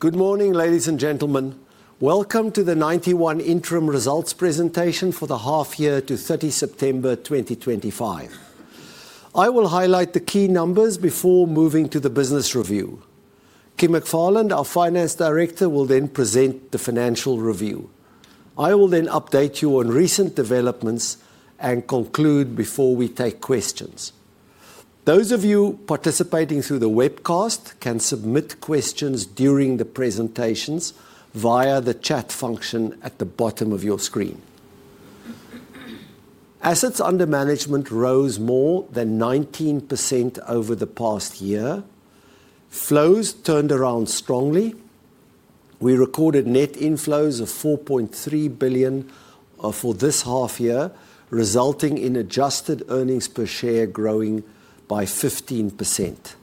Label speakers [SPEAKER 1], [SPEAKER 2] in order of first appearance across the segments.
[SPEAKER 1] Good morning, ladies and gentlemen. Welcome to the Ninety One interim results presentation for the half year to 30 September 2025. I will highlight the key numbers before moving to the business review. Kim McFarland, our Finance Director, will then present the financial review. I will then update you on recent developments and conclude before we take questions. Those of you participating through the webcast can submit questions during the presentations via the chat function at the bottom of your screen. Assets under management rose more than 19% over the past year. Flows turned around strongly. We recorded net inflows of 4.3 billion for this half year, resulting in adjusted earnings per share growing by 15%.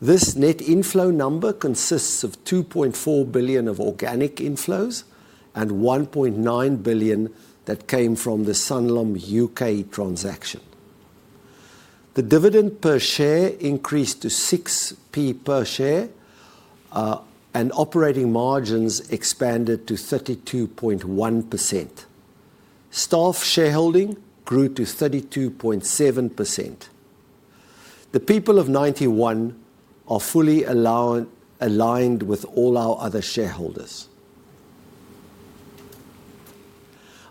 [SPEAKER 1] This net inflow number consists of 2.4 billion of organic inflows and 1.9 billion that came from the Sanlam UK transaction. The dividend per share increased to 6p per share, and operating margins expanded to 32.1%. Staff shareholding grew to 32.7%. The people of Ninety One are fully aligned with all our other shareholders.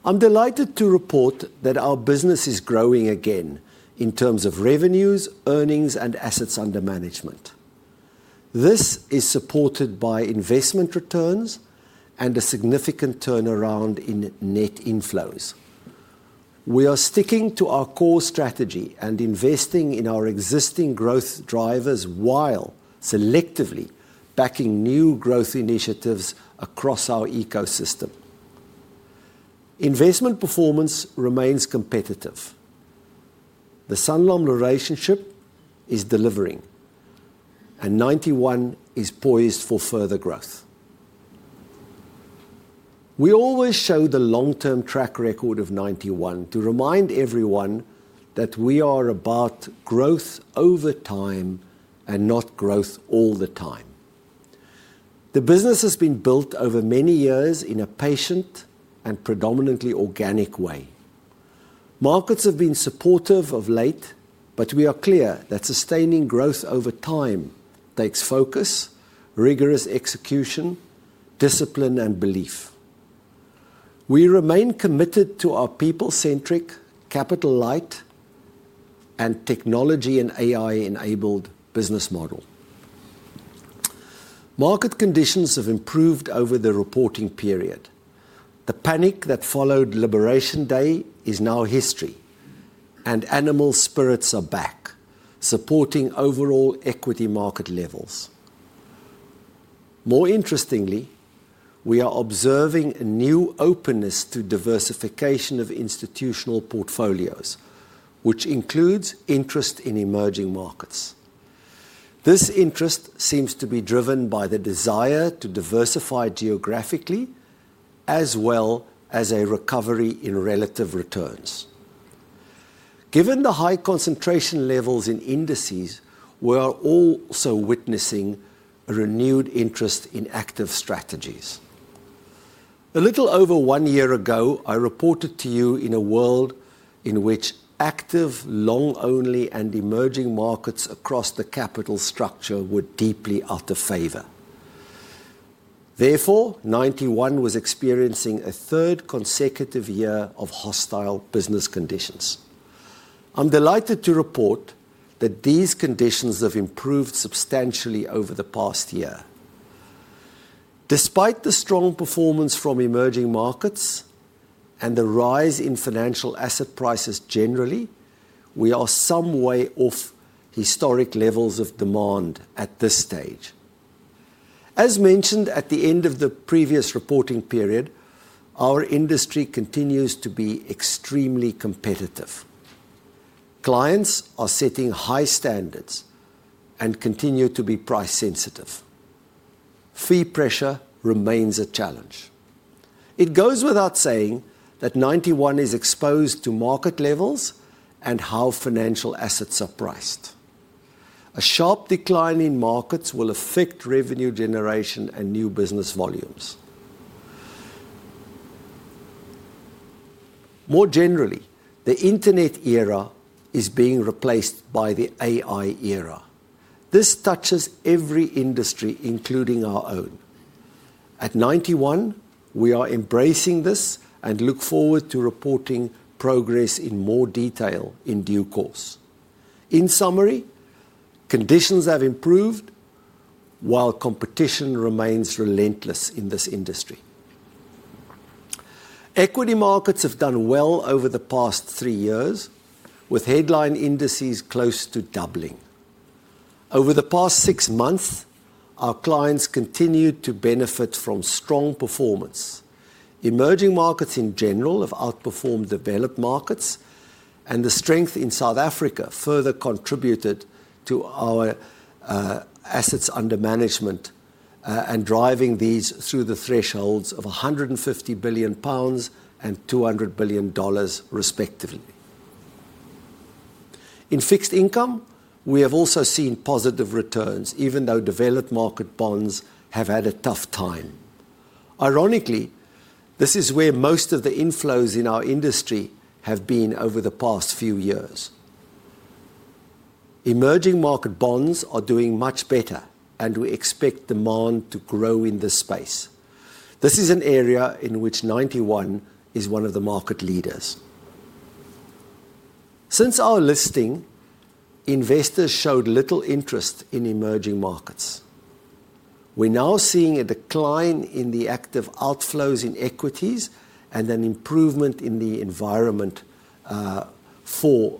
[SPEAKER 1] I'm delighted to report that our business is growing again in terms of revenues, earnings, and assets under management. This is supported by investment returns and a significant turnaround in net inflows. We are sticking to our core strategy and investing in our existing growth drivers while selectively backing new growth initiatives across our ecosystem. Investment performance remains competitive. The Sanlam relationship is delivering, and Ninety One is poised for further growth. We always show the long-term track record of Ninety One to remind everyone that we are about growth over time and not growth all the time. The business has been built over many years in a patient and predominantly organic way. Markets have been supportive of late, but we are clear that sustaining growth over time takes focus, rigorous execution, discipline, and belief. We remain committed to our people-centric, capital-light, and technology and AI-enabled business model. Market conditions have improved over the reporting period. The panic that followed Liberation Day is now history, and animal spirits are back, supporting overall equity market levels. More interestingly, we are observing a new openness to diversification of institutional portfolios, which includes interest in emerging markets. This interest seems to be driven by the desire to diversify geographically, as well as a recovery in relative returns. Given the high concentration levels in indices, we are also witnessing a renewed interest in active strategies. A little over one year ago, I reported to you in a world in which active, long-only, and emerging markets across the capital structure were deeply out of favor. Therefore, Ninety One was experiencing a third consecutive year of hostile business conditions. I'm delighted to report that these conditions have improved substantially over the past year. Despite the strong performance from emerging markets and the rise in financial asset prices generally, we are some way off historic levels of demand at this stage. As mentioned at the end of the previous reporting period, our industry continues to be extremely competitive. Clients are setting high standards and continue to be price-sensitive. Fee pressure remains a challenge. It goes without saying that Ninety One is exposed to market levels and how financial assets are priced. A sharp decline in markets will affect revenue generation and new business volumes. More generally, the Internet era is being replaced by the AI era. This touches every industry, including our own. At Ninety One, we are embracing this and look forward to reporting progress in more detail in due course. In summary, conditions have improved while competition remains relentless in this industry. Equity markets have done well over the past three years, with headline indices close to doubling. Over the past six months, our clients continue to benefit from strong performance. Emerging markets in general have outperformed developed markets, and the strength in South Africa further contributed to our assets under management and driving these through the thresholds of 150 billion pounds and $200 billion, respectively. In fixed income, we have also seen positive returns, even though developed market bonds have had a tough time. Ironically, this is where most of the inflows in our industry have been over the past few years. Emerging market bonds are doing much better, and we expect demand to grow in this space. This is an area in which Ninety One is one of the market leaders. Since our listing, investors showed little interest in emerging markets. We're now seeing a decline in the active outflows in equities and an improvement in the environment for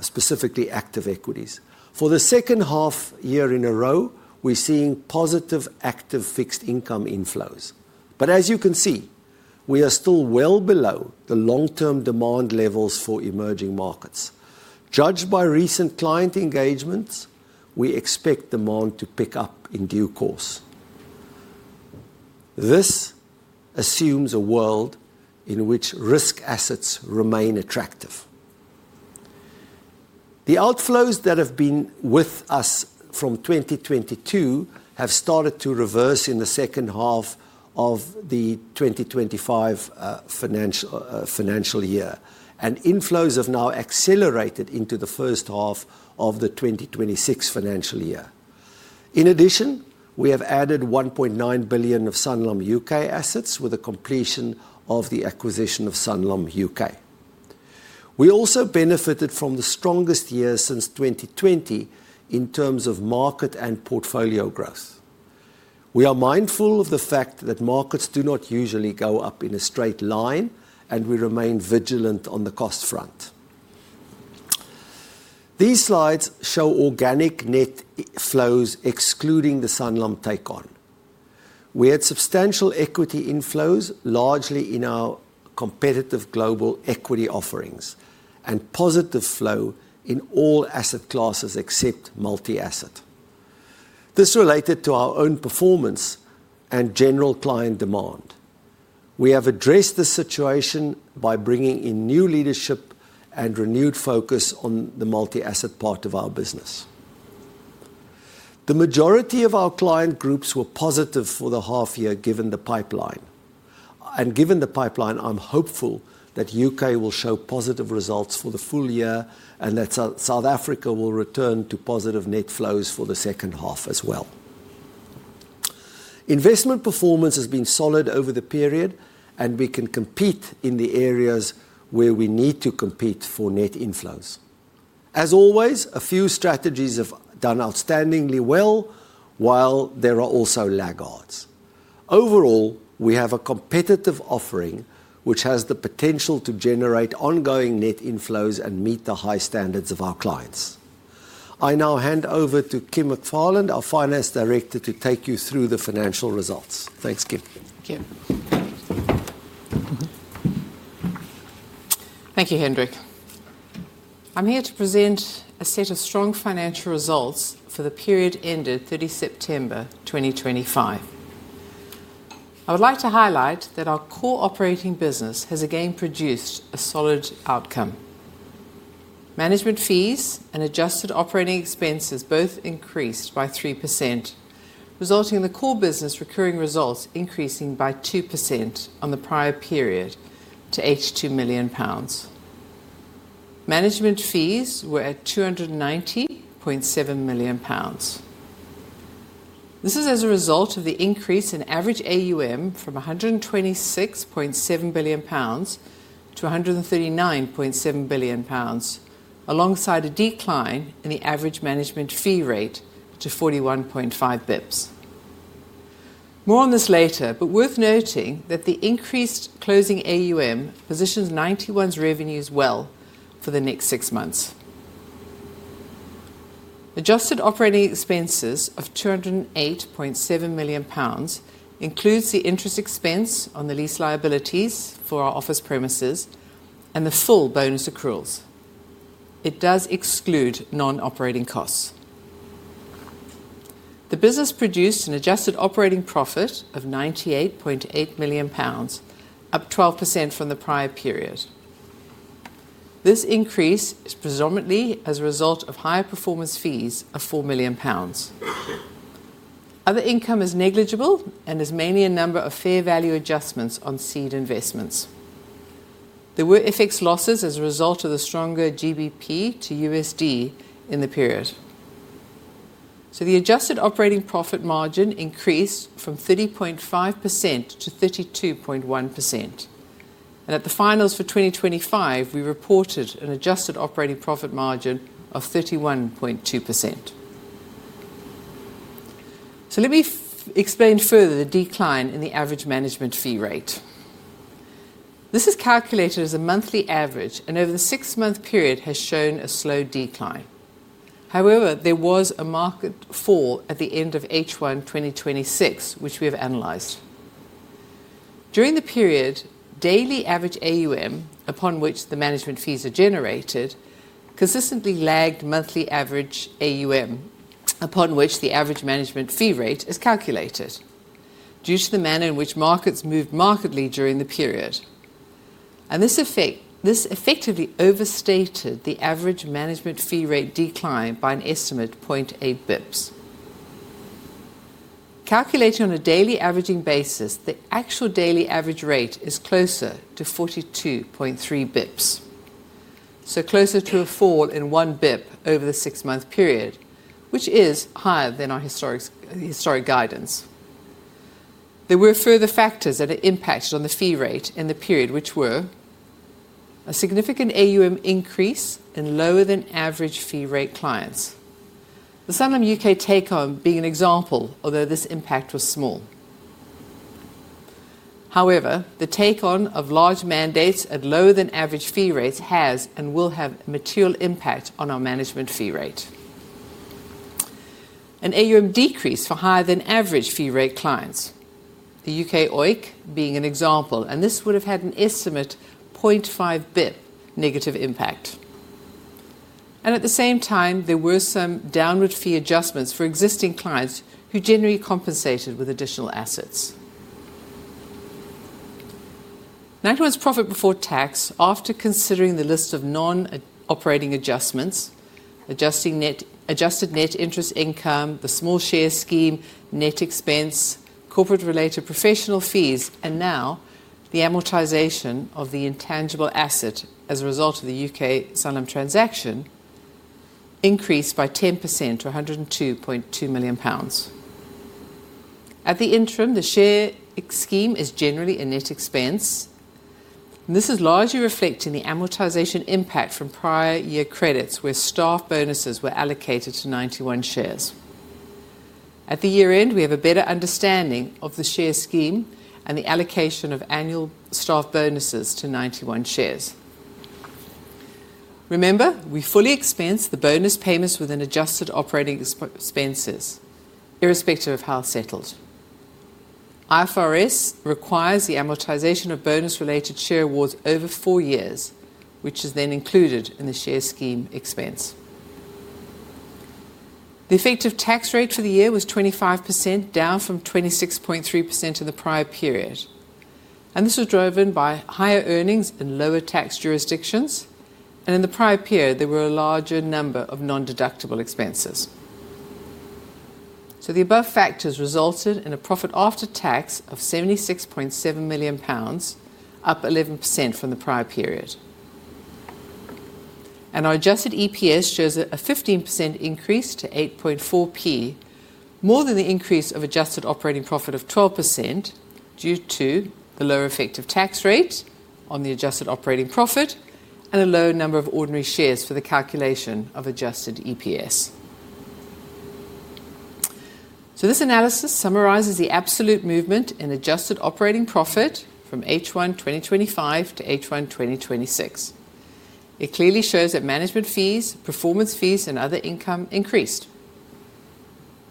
[SPEAKER 1] specifically active equities. For the second half year in a row, we're seeing positive active fixed income inflows. As you can see, we are still well below the long-term demand levels for emerging markets. Judged by recent client engagements, we expect demand to pick up in due course. This assumes a world in which risk assets remain attractive. The outflows that have been with us from 2022 have started to reverse in the second half of the 2025 financial year, and inflows have now accelerated into the first half of the 2026 financial year. In addition, we have added 1.9 billion of Sanlam UK assets with the completion of the acquisition of Sanlam UK. We also benefited from the strongest year since 2020 in terms of market and portfolio growth. We are mindful of the fact that markets do not usually go up in a straight line, and we remain vigilant on the cost front. These slides show organic net flows excluding the Sanlam take-on. We had substantial equity inflows, largely in our competitive global equity offerings, and positive flow in all asset classes except multi-asset. This related to our own performance and general client demand. We have addressed this situation by bringing in new leadership and renewed focus on the multi-asset part of our business. The majority of our client groups were positive for the half year given the pipeline. Given the pipeline, I'm hopeful that U.K. will show positive results for the full year and that South Africa will return to positive net flows for the second half as well. Investment performance has been solid over the period, and we can compete in the areas where we need to compete for net inflows. As always, a few strategies have done outstandingly well, while there are also laggards. Overall, we have a competitive offering which has the potential to generate ongoing net inflows and meet the high standards of our clients. I now hand over to Kim McFarland, our Finance Director, to take you through the financial results. Thanks, Kim.
[SPEAKER 2] Thank you. Thank you, Hendrik. I'm here to present a set of strong financial results for the period ended 30 September 2025. I would like to highlight that our core operating business has again produced a solid outcome. Management fees and adjusted operating expenses both increased by 3%, resulting in the core business recurring results increasing by 2% on the prior period to 82 million pounds. Management fees were at 290.7 million pounds. This is as a result of the increase in average AUM from 126.7 billion pounds to 139.7 billion pounds, alongside a decline in the average management fee rate to 41.5 bps. More on this later, but worth noting that the increased closing AUM positions Ninety One's revenues well for the next six months. Adjusted operating expenses of 208.7 million pounds includes the interest expense on the lease liabilities for our office premises and the full bonus accruals. It does exclude non-operating costs. The business produced an adjusted operating profit of 98.8 million pounds, up 12% from the prior period. This increase is predominantly as a result of higher performance fees of 4 million pounds. Other income is negligible and is mainly a number of fair value adjustments on seed investments. There were FX losses as a result of the stronger GBP to USD in the period. The adjusted operating profit margin increased from 30.5% to 32.1%. At the finals for 2025, we reported an adjusted operating profit margin of 31.2%. Let me explain further the decline in the average management fee rate. This is calculated as a monthly average and over the six-month period has shown a slow decline. However, there was a market fall at the end of H1 2026, which we have analyzed. During the period, daily average AUM, upon which the management fees are generated, consistently lagged monthly average AUM, upon which the average management fee rate is calculated, due to the manner in which markets moved markedly during the period. This effectively overstated the average management fee rate decline by an estimate of 0.8 basis points. Calculated on a daily averaging basis, the actual daily average rate is closer to 42.3 basis points. Closer to a fall 1 basis point over the six-month period, which is higher than our historic guidance. There were further factors that had impacted on the fee rate in the period, which were a significant AUM increase in lower-than-average fee rate clients, the Sanlam UK take-on being an example, although this impact was small. However, the take-on of large mandates at lower-than-average fee rates has and will have a material impact on our management fee rate. An AUM decrease for higher-than-average fee rate clients, the U.K. OEIC being an example, and this would have had an estimate of 0.5 basis point negative impact. At the same time, there were some downward fee adjustments for existing clients who generally compensated with additional assets. Ninety One's profit before tax, after considering the list of non-operating adjustments, adjusted net interest income, the small share scheme, net expense, corporate-related professional fees, and now the amortization of the intangible asset as a result of the U.K. Sanlam transaction, increased by 10% to 102.2 million pounds. At the interim, the share scheme is generally a net expense. This is largely reflecting the amortization impact from prior year credits where staff bonuses were allocated to Ninety One shares. At the year end, we have a better understanding of the share scheme and the allocation of annual staff bonuses to Ninety One shares. Remember, we fully expense the bonus payments within adjusted operating expenses, irrespective of how settled. IFRS requires the amortization of bonus-related share awards over four years, which is then included in the share scheme expense. The effective tax rate for the year was 25%, down from 26.3% in the prior period. This was driven by higher earnings and lower tax jurisdictions. In the prior period, there were a larger number of non-deductible expenses. The above factors resulted in a profit after tax of 76.7 million pounds, up 11% from the prior period. Our adjusted EPS shows a 15% increase to 8.4p, more than the increase of adjusted operating profit of 12% due to the lower effective tax rate on the adjusted operating profit and a lower number of ordinary shares for the calculation of adjusted EPS. This analysis summarizes the absolute movement in adjusted operating profit from H1 2025 to H1 2026. It clearly shows that management fees, performance fees, and other income increased.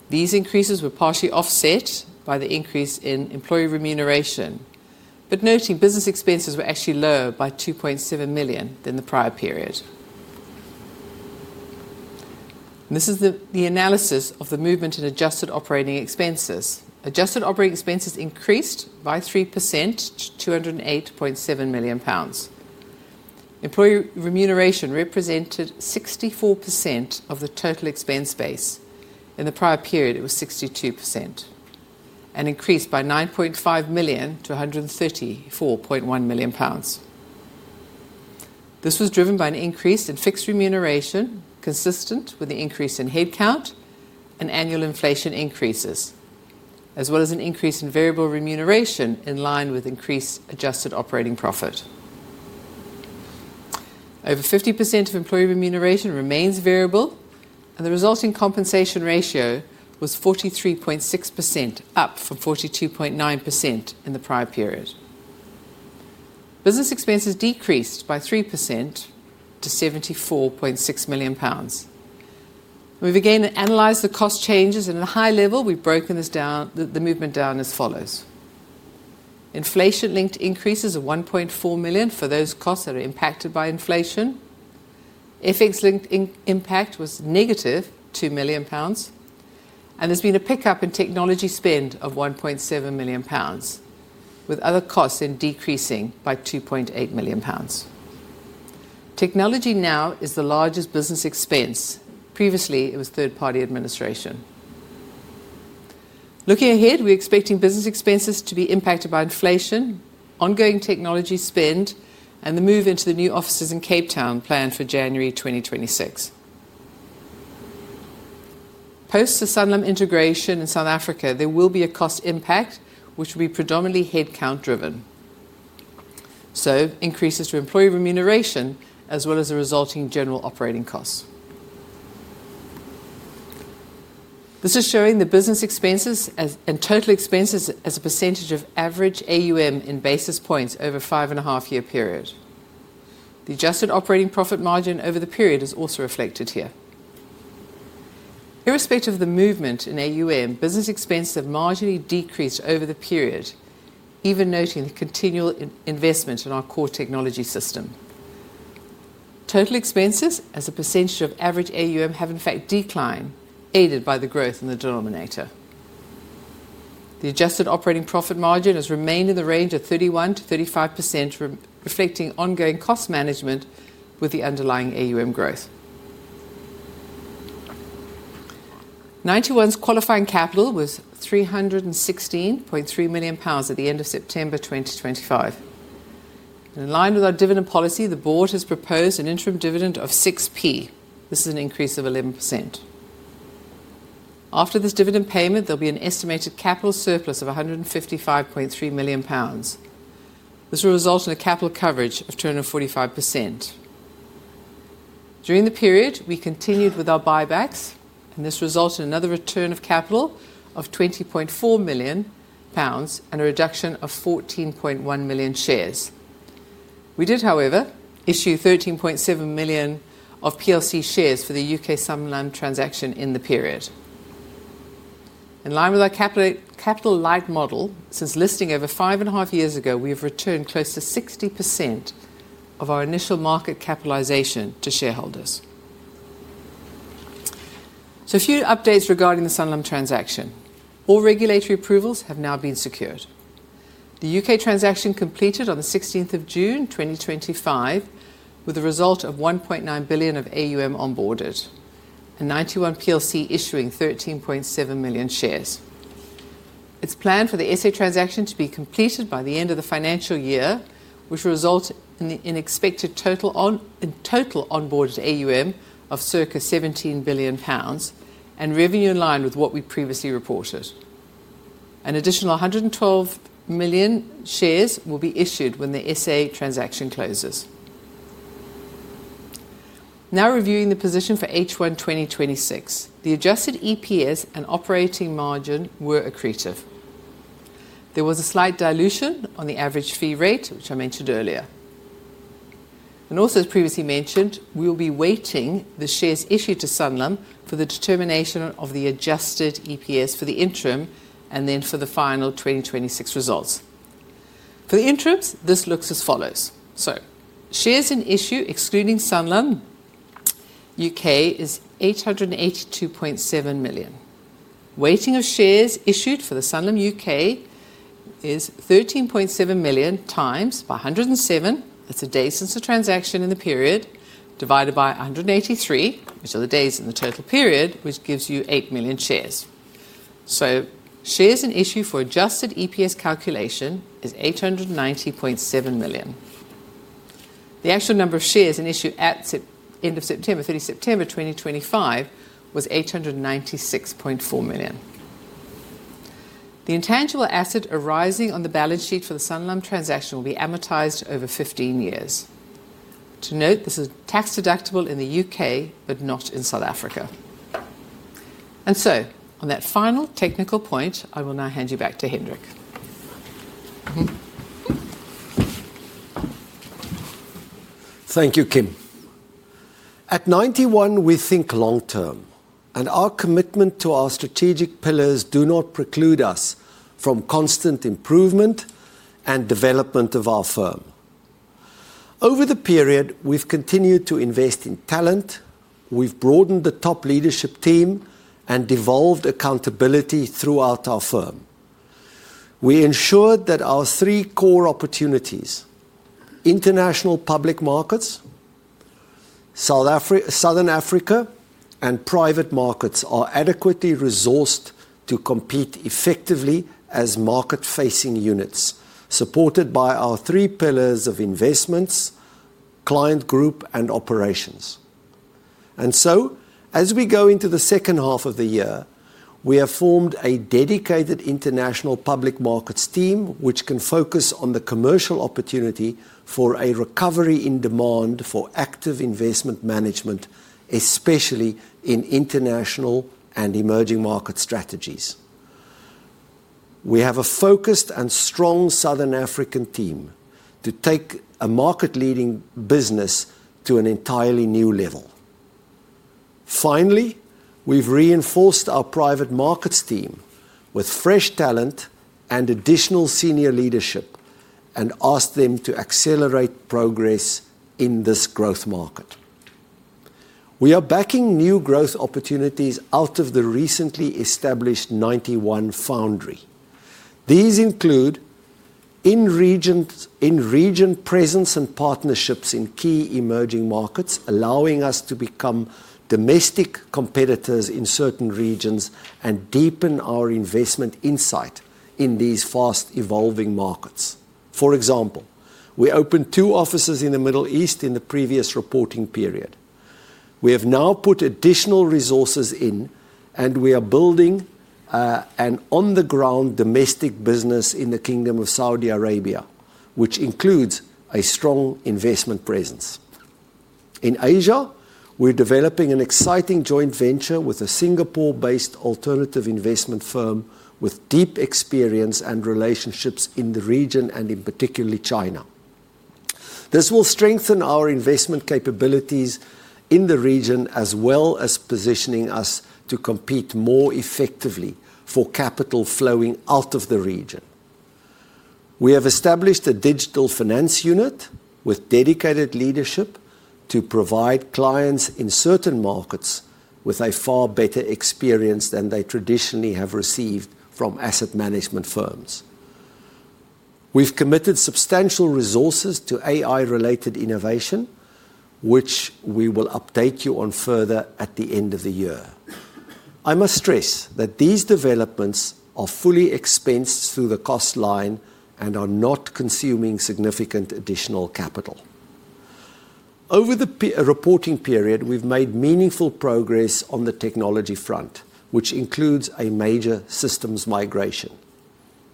[SPEAKER 2] These increases were partially offset by the increase in employee remuneration, but noting business expenses were actually lower by 2.7 million than the prior period. This is the analysis of the movement in adjusted operating expenses. Adjusted operating expenses increased by 3% to 208.7 million pounds. Employee remuneration represented 64% of the total expense base. In the prior period, it was 62% and increased by 9.5 million to 134.1 million pounds. This was driven by an increase in fixed remuneration consistent with the increase in headcount and annual inflation increases, as well as an increase in variable remuneration in line with increased adjusted operating profit. Over 50% of employee remuneration remains variable, and the resulting compensation ratio was 43.6%, up from 42.9% in the prior period. Business expenses decreased by 3% to 74.6 million pounds. We've again analyzed the cost changes, and at a high level, we've broken this down, the movement down as follows. Inflation-linked increases are 1.4 million for those costs that are impacted by inflation. FX-linked impact was -2 million pounds, and there's been a pickup in technology spend of 1.7 million pounds, with other costs decreasing by 2.8 million pounds. Technology now is the largest business expense. Previously, it was third-party administration. Looking ahead, we're expecting business expenses to be impacted by inflation, ongoing technology spend, and the move into the new offices in Cape Town planned for January 2026. Post the Sanlam integration in South Africa, there will be a cost impact, which will be predominantly headcount-driven. Increases to employee remuneration as well as the resulting general operating costs. This is showing the business expenses and total expenses as a percentage of average AUM in basis points over a five-and-a-half-year period. The adjusted operating profit margin over the period is also reflected here. Irrespective of the movement in AUM, business expenses have marginally decreased over the period, even noting the continual investment in our core technology system. Total expenses as a percentage of average AUM have, in fact, declined, aided by the growth in the denominator. The adjusted operating profit margin has remained in the range of 31%-35%, reflecting ongoing cost management with the underlying AUM growth. Ninety One's qualifying capital was 316.3 million pounds at the end of September 2025. In line with our dividend policy, the board has proposed an interim dividend of 0.06. This is an increase of 11%. After this dividend payment, there'll be an estimated capital surplus of 155.3 million pounds. This will result in a capital coverage of 245%. During the period, we continued with our buybacks, and this resulted in another return of capital of 20.4 million pounds and a reduction of 14.1 million shares. We did, however, issue 13.7 million of PLC shares for the U.K. Sanlam transaction in the period. In line with our capital light model, since listing over five-and-a-half years ago, we have returned close to 60% of our initial market capitalization to shareholders. A few updates regarding the Sanlam transaction. All regulatory approvals have now been secured. The U.K. transaction completed on the 16th of June 2025, with a result of 1.9 billion of AUM onboarded and Ninety One issuing 13.7 million shares. is planned for the SA transaction to be completed by the end of the financial year, which will result in the expected total onboarded AUM of circa 17 billion pounds and revenue in line with what we previously reported. An additional 112 million shares will be issued when the SA transaction closes. Now reviewing the position for H1 2026, the adjusted EPS and operating margin were accretive. There was a slight dilution on the average fee rate, which I mentioned earlier. Also, as previously mentioned, we will be weighting the shares issued to Sanlam for the determination of the adjusted EPS for the interim and then for the final 2026 results. For the interim, this looks as follows. Shares in issue, excluding Sanlam UK, is 882.7 million. Weighting of shares issued for the Sanlam UK is 13.7 million times by 107. That's a day since the transaction in the period, divided by 183, which are the days in the total period, which gives you 8 million shares. So shares in issue for adjusted EPS calculation is 890.7 million. The actual number of shares in issue at the end of September, 30 September 2025, was 896.4 million. The intangible asset arising on the balance sheet for the Sanlam transaction will be amortized over 15 years. To note, this is tax deductible in the U.K., but not in South Africa. On that final technical point, I will now hand you back to Hendrik.
[SPEAKER 1] Thank you, Kim. At Ninety One, we think long term, and our commitment to our strategic pillars does not preclude us from constant improvement and development of our firm. Over the period, we've continued to invest in talent, we've broadened the top leadership team, and devolved accountability throughout our firm. We ensure that our three core opportunities, international public markets, Southern Africa, and private markets are adequately resourced to compete effectively as market-facing units, supported by our three pillars of investments, client group, and operations. As we go into the second half of the year, we have formed a dedicated international public markets team, which can focus on the commercial opportunity for a recovery in demand for active investment management, especially in international and emerging market strategies. We have a focused and strong Southern African team to take a market-leading business to an entirely new level. Finally, we've reinforced our private markets team with fresh talent and additional senior leadership and asked them to accelerate progress in this growth market. We are backing new growth opportunities out of the recently established Ninety One Foundry. These include in-region presence and partnerships in key emerging markets, allowing us to become domestic competitors in certain regions and deepen our investment insight in these fast-evolving markets. For example, we opened two offices in the Middle East in the previous reporting period. We have now put additional resources in, and we are building an on-the-ground domestic business in the Kingdom of Saudi Arabia, which includes a strong investment presence. In Asia, we're developing an exciting joint venture with a Singapore-based alternative investment firm with deep experience and relationships in the region and in particularly China. This will strengthen our investment capabilities in the region, as well as positioning us to compete more effectively for capital flowing out of the region. We have established a digital finance unit with dedicated leadership to provide clients in certain markets with a far better experience than they traditionally have received from asset management firms. We've committed substantial resources to AI-related innovation, which we will update you on further at the end of the year. I must stress that these developments are fully expensed through the cost line and are not consuming significant additional capital. Over the reporting period, we've made meaningful progress on the technology front, which includes a major systems migration.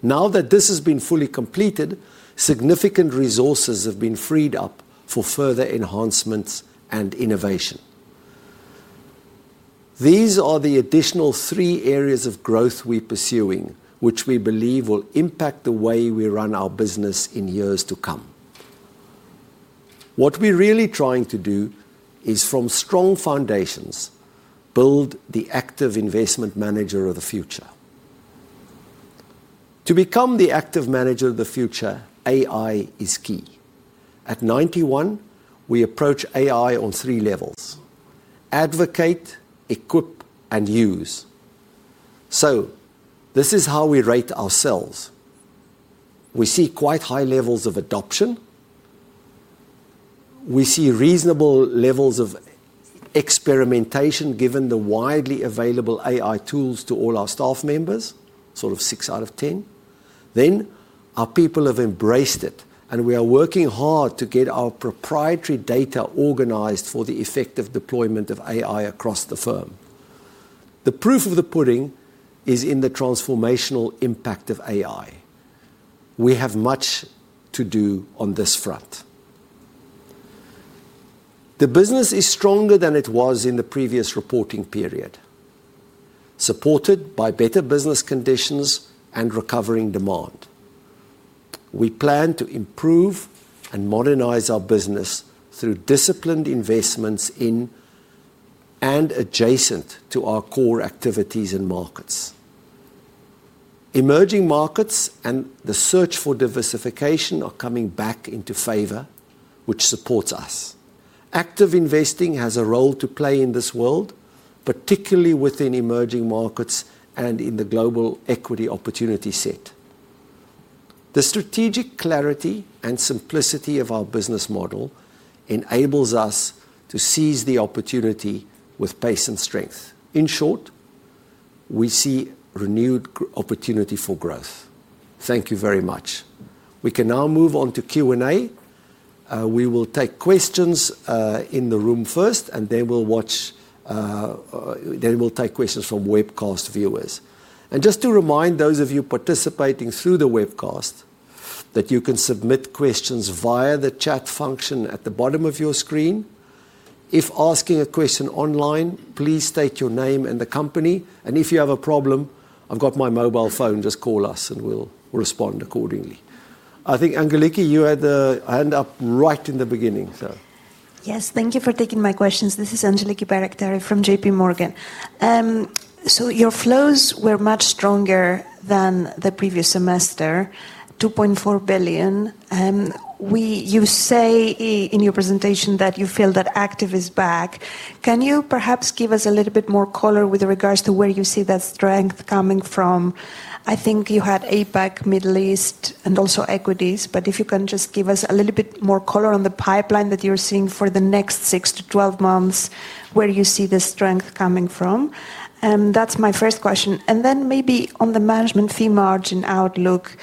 [SPEAKER 1] Now that this has been fully completed, significant resources have been freed up for further enhancements and innovation. These are the additional three areas of growth we're pursuing, which we believe will impact the way we run our business in years to come. What we're really trying to do is, from strong foundations, build the active investment manager of the future. To become the active manager of the future, AI is key. At Ninety One, we approach AI on three levels: advocate, equip, and use. This is how we rate ourselves. We see quite high levels of adoption. We see reasonable levels of experimentation given the widely available AI tools to all our staff members, sort of six out of ten. Our people have embraced it, and we are working hard to get our proprietary data organized for the effective deployment of AI across the firm. The proof of the pudding is in the transformational impact of AI. We have much to do on this front. The business is stronger than it was in the previous reporting period, supported by better business conditions and recovering demand. We plan to improve and modernize our business through disciplined investments in and adjacent to our core activities and markets. Emerging markets and the search for diversification are coming back into favor, which supports us. Active investing has a role to play in this world, particularly within emerging markets and in the global equity opportunity set. The strategic clarity and simplicity of our business model enables us to seize the opportunity with pace and strength. In short, we see renewed opportunity for growth. Thank you very much. We can now move on to Q&A. We will take questions in the room first, and then we will take questions from webcast viewers. Just to remind those of you participating through the webcast that you can submit questions via the chat function at the bottom of your screen. If asking a question online, please state your name and the company. If you have a problem, I have got my mobile phone. Just call us, and we will respond accordingly. I think, Angeliki, you had the hand up right in the beginning, so.
[SPEAKER 3] Yes, thank you for taking my questions. This is Angeliki Bairaktari, from JPMorgan. So your flows were much stronger than the previous semester, 2.4 billion. You say in your presentation that you feel that active is back. Can you perhaps give us a little bit more color with regards to where you see that strength coming from? I think you had APAC, Middle East, and also equities, but if you can just give us a little bit more color on the pipeline that you're seeing for the next six to 12 months, where you see the strength coming from. That's my first question. Then maybe on the management fee margin outlook,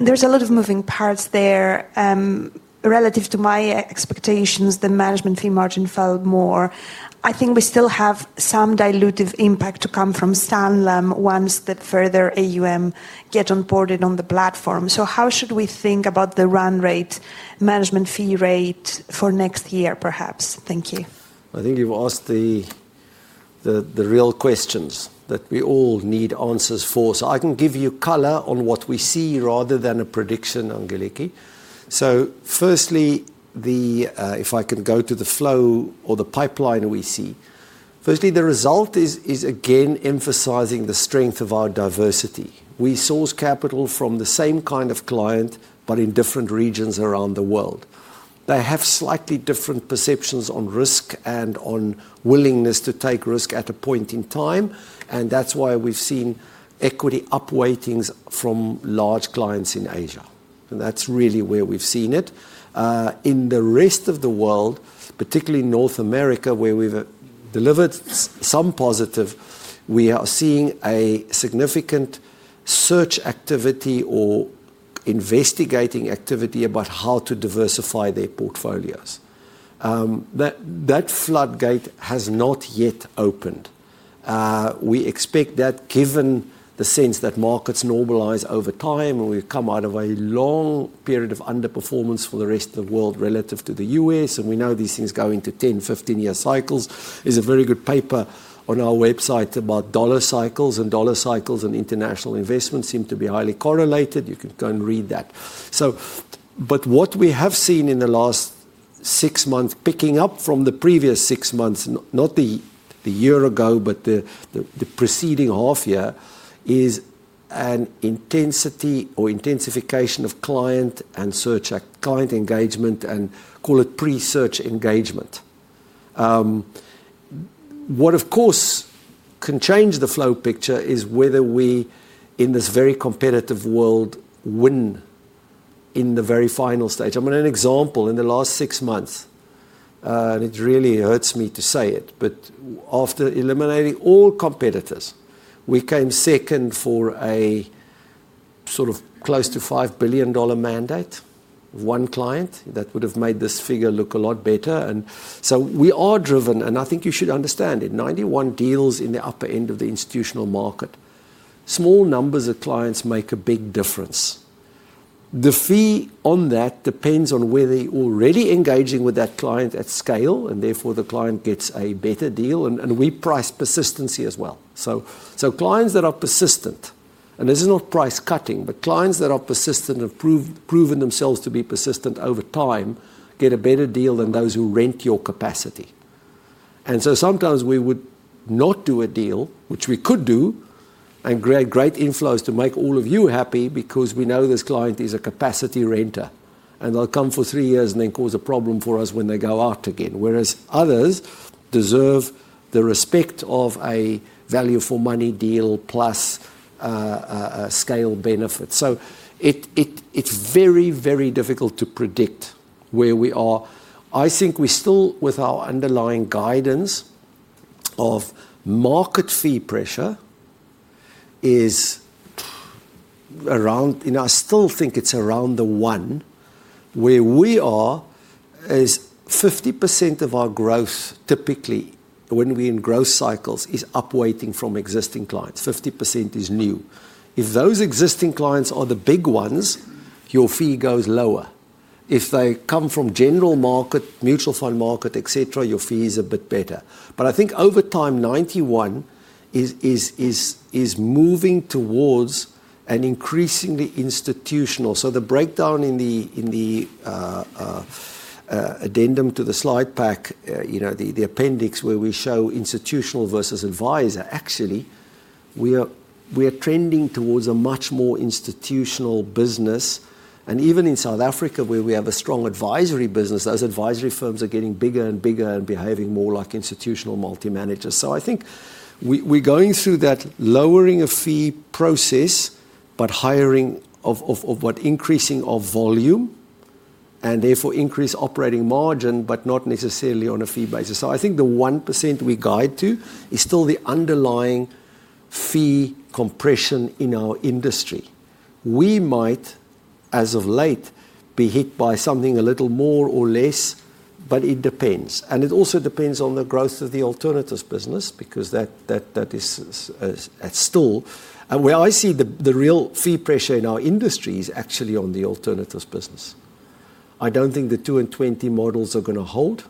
[SPEAKER 3] there's a lot of moving parts there. Relative to my expectations, the management fee margin fell more. I think we still have some dilutive impact to come from Sanlam once the further AUM get onboarded on the platform. How should we think about the run rate, management fee rate for next year, perhaps? Thank you.
[SPEAKER 1] I think you've asked the real questions that we all need answers for. I can give you color on what we see rather than a prediction, Angeliki. Firstly, if I can go to the flow or the pipeline we see, firstly, the result is again emphasizing the strength of our diversity. We source capital from the same kind of client, but in different regions around the world. They have slightly different perceptions on risk and on willingness to take risk at a point in time, and that is why we've seen equity up weightings from large clients in Asia. That is really where we've seen it. In the rest of the world, particularly North America, where we've delivered some positive, we are seeing a significant search activity or investigating activity about how to diversify their portfolios. That floodgate has not yet opened. We expect that given the sense that markets normalize over time and we come out of a long period of underperformance for the rest of the world relative to the U.S., and we know these things go into 10 year-15 year cycles, is a very good paper on our website about dollar cycles. Dollar cycles and international investments seem to be highly correlated. You can go and read that. What we have seen in the last six months, picking up from the previous six months, not the year ago, but the preceding half year, is an intensity or intensification of client and search, client engagement, and call it pre-search engagement. What, of course, can change the flow picture is whether we, in this very competitive world, win in the very final stage. I'm going to give an example in the last six months, and it really hurts me to say it, but after eliminating all competitors, we came second for a sort of close to GBP 5 billion mandate, one client. That would have made this figure look a lot better. We are driven, and I think you should understand it. Ninety One deals in the upper end of the institutional market. Small numbers of clients make a big difference. The fee on that depends on whether you're already engaging with that client at scale, and therefore the client gets a better deal. We price persistency as well. Clients that are persistent, and this is not price cutting, but clients that are persistent and have proven themselves to be persistent over time get a better deal than those who rent your capacity. Sometimes we would not do a deal, which we could do, and grant great inflows to make all of you happy because we know this client is a capacity renter, and they will come for three years and then cause a problem for us when they go out again, whereas others deserve the respect of a value for money deal plus scale benefit. It is very, very difficult to predict where we are. I think we still, with our underlying guidance of market fee pressure, is around, and I still think it's around the one where we are, is 50% of our growth typically, when we're in growth cycles, is up weighting from existing clients. 50% is new. If those existing clients are the big ones, your fee goes lower. If they come from general market, mutual fund market, etc., your fee is a bit better. I think over time, Ninety One is moving towards an increasingly institutional. The breakdown in the addendum to the slide pack, the appendix where we show institutional versus advisor, actually, we are trending towards a much more institutional business. Even in South Africa, where we have a strong advisory business, those advisory firms are getting bigger and bigger and behaving more like institutional multi-managers. I think we're going through that lowering of fee process, but hiring of what? Increasing of volume and therefore increased operating margin, but not necessarily on a fee basis. I think the 1% we guide to is still the underlying fee compression in our industry. We might, as of late, be hit by something a little more or less, but it depends. It also depends on the growth of the alternatives business because that is still, and where I see the real fee pressure in our industry is actually on the alternatives business. I do not think the two and 20 models are going to hold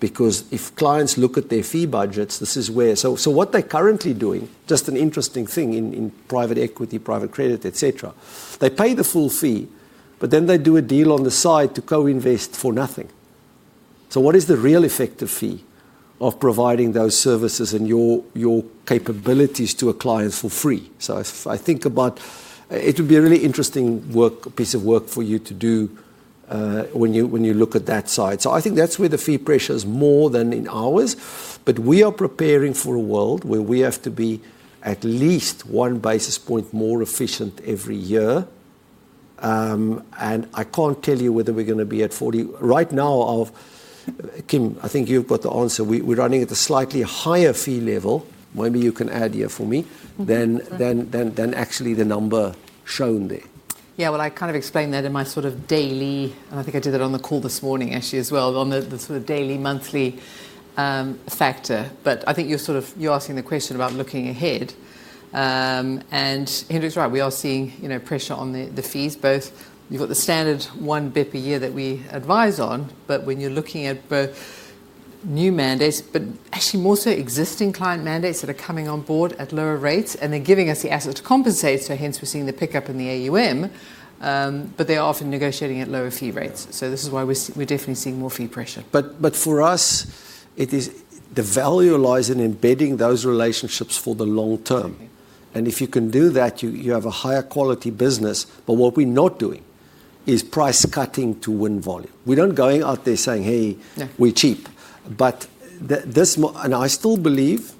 [SPEAKER 1] because if clients look at their fee budgets, this is where, so what they are currently doing, just an interesting thing in private equity, private credit, etc., they pay the full fee, but then they do a deal on the side to co-invest for nothing. What is the real effective fee of providing those services and your capabilities to a client for free? I think about it, it would be a really interesting piece of work for you to do when you look at that side. I think that is where the fee pressure is more than in ours, but we are preparing for a world where we have to be at least 1 basis point more efficient every year. I cannot tell you whether we are going to be at 40 right now. Kim, I think you've got the answer. We're running at a slightly higher fee level. Maybe you can add here for me than actually the number shown there.
[SPEAKER 2] Yeah, I kind of explained that in my sort of daily, and I think I did it on the call this morning actually as well, on the sort of daily monthly factor. I think you're asking the question about looking ahead. Andrew's right. We are seeing pressure on the fees. You've got the standard 1 bps a year that we advise on, but when you're looking at both new mandates, but actually more so existing client mandates that are coming on board at lower rates, and they're giving us the asset to compensate. Hence we're seeing the pickup in the AUM, but they are often negotiating at lower fee rates. This is why we're definitely seeing more fee pressure.
[SPEAKER 1] For us, the value lies in embedding those relationships for the long term. If you can do that, you have a higher quality business. What we're not doing is price cutting to win volume. We're not going out there saying, "Hey, we're cheap." I still believe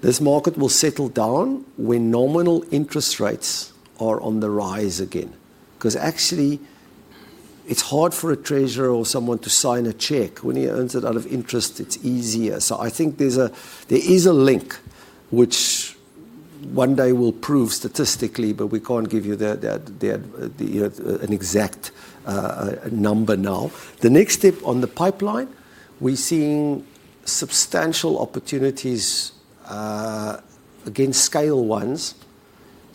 [SPEAKER 1] this market will settle down when nominal interest rates are on the rise again because actually it's hard for a treasurer or someone to sign a check. When he earns it out of interest, it's easier. I think there is a link which one day will prove statistically, but we can't give you an exact number now. The next step on the pipeline, we're seeing substantial opportunities against scale ones.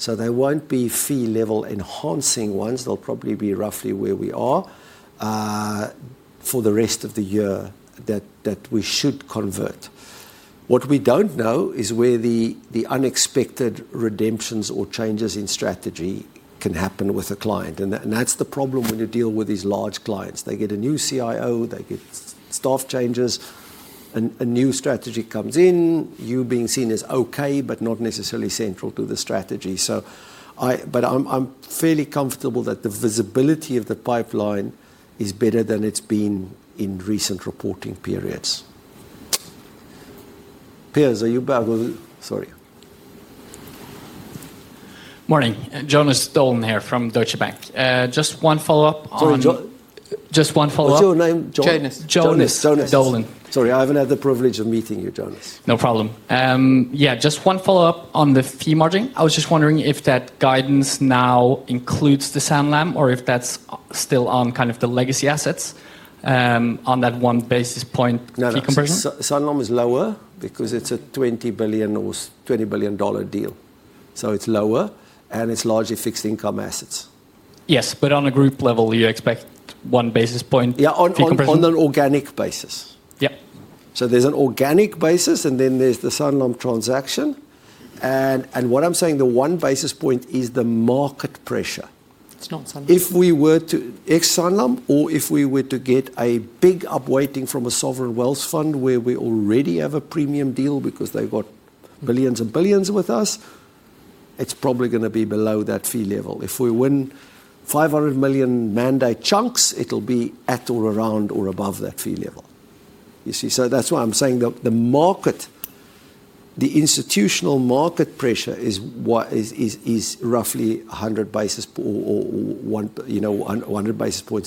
[SPEAKER 1] There won't be fee level enhancing ones. They'll probably be roughly where we are for the rest of the year that we should convert. What we do not know is where the unexpected redemptions or changes in strategy can happen with a client. That is the problem when you deal with these large clients. They get a new CIO, they get staff changes, a new strategy comes in, you being seen as okay, but not necessarily central to the strategy. I am fairly comfortable that the visibility of the pipeline is better than it has been in recent reporting periods. Piers, are you back? Sorry.
[SPEAKER 4] Morning. Jonas Døhlen here from Deutsche Bank. Just one follow-up on.
[SPEAKER 1] Sorry, Jonas? What is your name? Jonas.
[SPEAKER 4] Jonas Døhlen.
[SPEAKER 1] Sorry, I have not had the privilege of meeting you, Jonas.
[SPEAKER 4] No problem. Yeah, just one follow-up on the fee margin. I was just wondering if that guidance now includes the Sanlam or if that's still on kind of the legacy assets on that 1 basis point fee conversion.
[SPEAKER 1] Sanlam is lower because it's a 20 billion deal. So it's lower and it's largely fixed income assets.
[SPEAKER 4] Yes, but on a group level, you expect 1 basis point fee conversion.
[SPEAKER 1] Yeah, on an organic basis.
[SPEAKER 4] Yep.
[SPEAKER 1] So there's an organic basis, and then there's the Sanlam transaction. What I'm saying, the 1 basis point is the market pressure.
[SPEAKER 4] It's not Sanlam.
[SPEAKER 1] If we were to ex-Sanlam or if we were to get a big up weighting from a sovereign wealth fund where we already have a premium deal because they've got billions and billions with us, it's probably going to be below that fee level. If we win 500 million mandate chunks, it'll be at or around or above that fee level. You see? That's why I'm saying the market, the institutional market pressure is roughly 1 basis point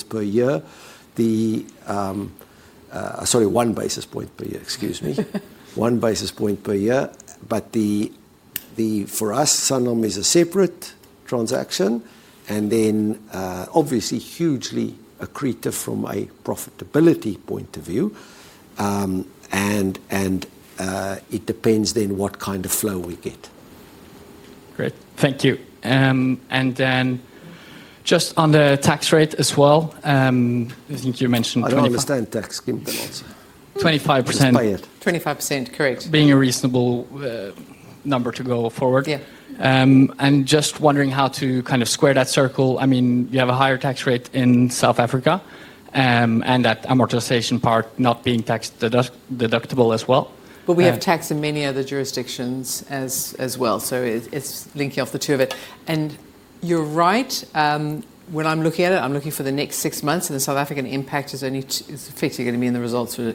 [SPEAKER 1] per year. Sorry, 1 basis point per year. Excuse me. 1 basis point per year. For us, Sanlam is a separate transaction and then obviously hugely accretive from a profitability point of view. It depends then what kind of flow we get.
[SPEAKER 4] Great. Thank you. Just on the tax rate as well, I think you mentioned.
[SPEAKER 1] Percent tax, Kim, then also.
[SPEAKER 4] 25%.
[SPEAKER 1] Just by it.
[SPEAKER 2] 25%, correct.
[SPEAKER 4] Being a reasonable number to go forward.
[SPEAKER 2] Yeah.
[SPEAKER 4] Just wondering how to kind of square that circle. I mean, you have a higher tax rate in South Africa and that amortization part not being tax deductible as well.
[SPEAKER 2] We have tax in many other jurisdictions as well. It is linking off the two of it. You are right. When I am looking at it, I am looking for the next six months and the South African impact is only fixed. You are going to be in the results for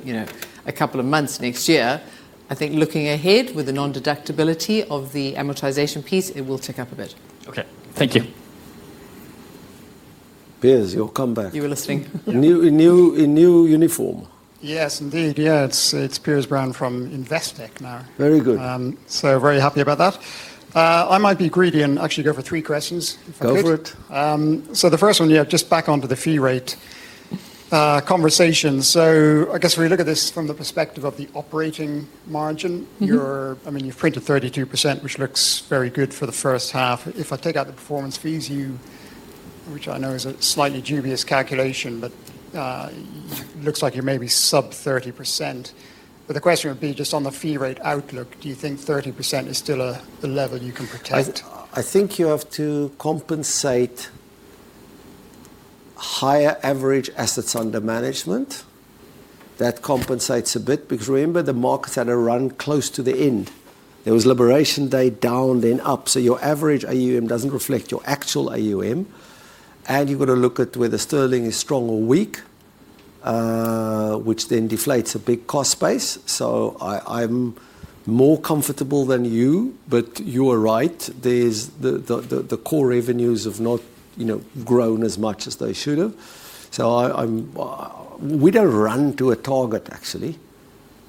[SPEAKER 2] a couple of months next year. I think looking ahead with the non-deductibility of the amortization piece, it will tick up a bit.
[SPEAKER 4] Okay. Thank you.
[SPEAKER 1] Piers, your comeback.
[SPEAKER 2] You were listening.
[SPEAKER 1] In new uniform.
[SPEAKER 5] Yes, indeed. Yeah, it is Piers Brown from Investec now.
[SPEAKER 1] Very good.
[SPEAKER 5] So very happy about that. I might be greedy and actually go for three questions.
[SPEAKER 1] Go for it.
[SPEAKER 5] The first one, yeah, just back onto the fee rate conversation. I guess we look at this from the perspective of the operating margin. I mean, you've printed 32%, which looks very good for the first half. If I take out the performance fees, which I know is a slightly dubious calculation, but it looks like you're maybe sub 30%. The question would be just on the fee rate outlook, do you think 30% is still a level you can protect?
[SPEAKER 1] I think you have to compensate higher average assets under management. That compensates a bit because remember the markets had a run close to the end. There was liberation day down, then up. Your average AUM does not reflect your actual AUM. You have to look at whether sterling is strong or weak, which then deflates a big cost space. I'm more comfortable than you, but you are right. The core revenues have not grown as much as they should have. We do not run to a target, actually.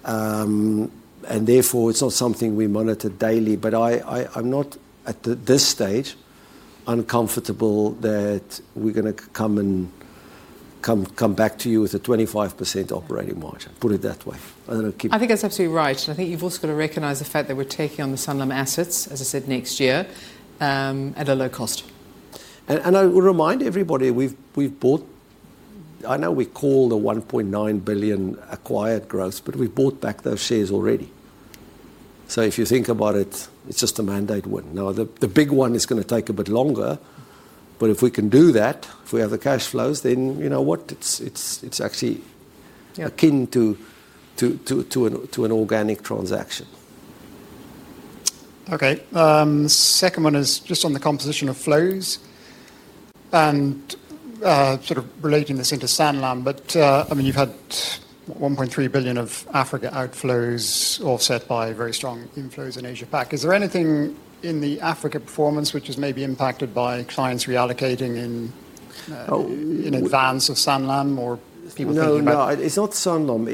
[SPEAKER 1] It is not something we monitor daily. I am not at this stage uncomfortable that we are going to come back to you with a 25% operating margin. Put it that way.
[SPEAKER 2] I think that is absolutely right. I think you have also got to recognize the fact that we are taking on the Sanlam assets, as I said, next year at a low cost.
[SPEAKER 1] I would remind everybody we have bought, I know we call the 1.9 billion acquired growth, but we have bought back those shares already. If you think about it, it is just a mandate win. The big one is going to take a bit longer, but if we can do that, if we have the cash flows, then you know what? It is actually akin to an organic transaction.
[SPEAKER 5] Okay. Second one is just on the composition of flows and sort of relating this into Sanlam. I mean, you've had 1.3 billion of Africa outflows offset by very strong inflows in Asia-Pac. Is there anything in the Africa performance which has maybe been impacted by clients reallocating in advance of Sanlam or people thinking about?
[SPEAKER 1] No, it's not Sanlam.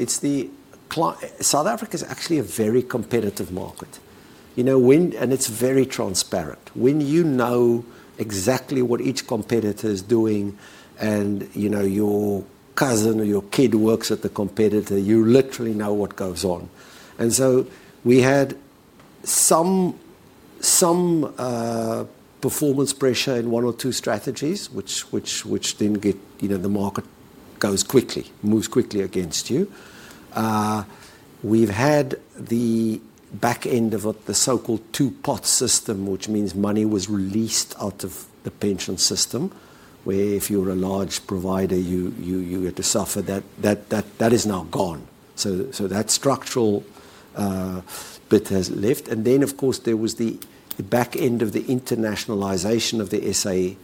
[SPEAKER 1] South Africa is actually a very competitive market. It's very transparent. When you know exactly what each competitor is doing and your cousin or your kid works at the competitor, you literally know what goes on. We had some performance pressure in one or two strategies which did not get the market. The market moves quickly against you. We've had the back end of the so-called two-pot system, which means money was released out of the pension system where if you were a large provider, you had to suffer. That is now gone. That structural bit has left. There was the back end of the internationalization of the SA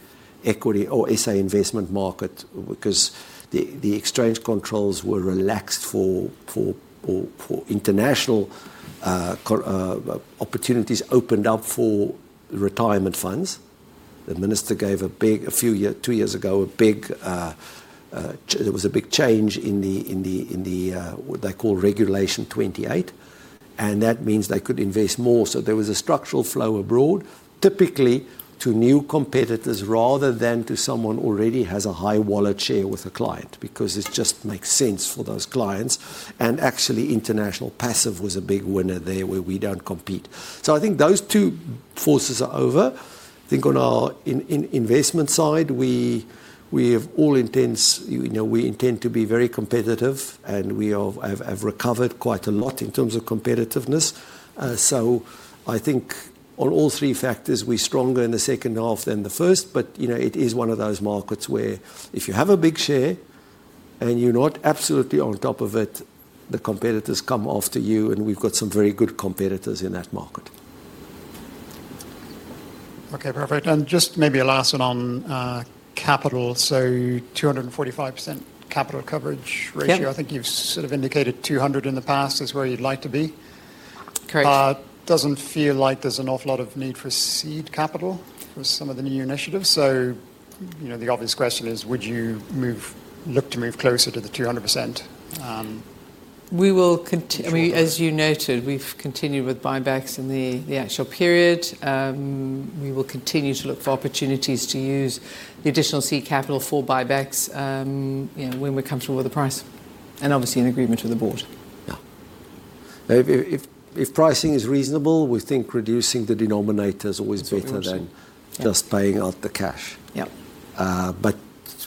[SPEAKER 1] equity or SA investment market because the exchange controls were relaxed for international opportunities opened up for retirement funds. The minister gave a few, two years ago, a big, there was a big change in what they call regulation 28. That means they could invest more. There was a structural flow abroad, typically to new competitors rather than to someone who already has a high wallet share with a client because it just makes sense for those clients. Actually, international passive was a big winner there where we do not compete. I think those two forces are over. I think on our investment side, we have all intents, we intend to be very competitive, and we have recovered quite a lot in terms of competitiveness. I think on all three factors, we're stronger in the second half than the first. It is one of those markets where if you have a big share and you're not absolutely on top of it, the competitors come after you, and we've got some very good competitors in that market.
[SPEAKER 5] Okay, perfect. Just maybe a last one on capital. So 245% capital coverage ratio. I think you've sort of indicated 200% in the past is where you'd like to be.
[SPEAKER 2] Correct.
[SPEAKER 5] Doesn't feel like there's an awful lot of need for seed capital for some of the new initiatives. The obvious question is, would you look to move closer to the 200%?
[SPEAKER 2] We will continue, as you noted, we've continued with buybacks in the actual period. We will continue to look for opportunities to use the additional seed capital for buybacks when we come to another price. Obviously, in agreement with the board.
[SPEAKER 1] Yeah. If pricing is reasonable, we think reducing the denominator is always better than just paying out the cash.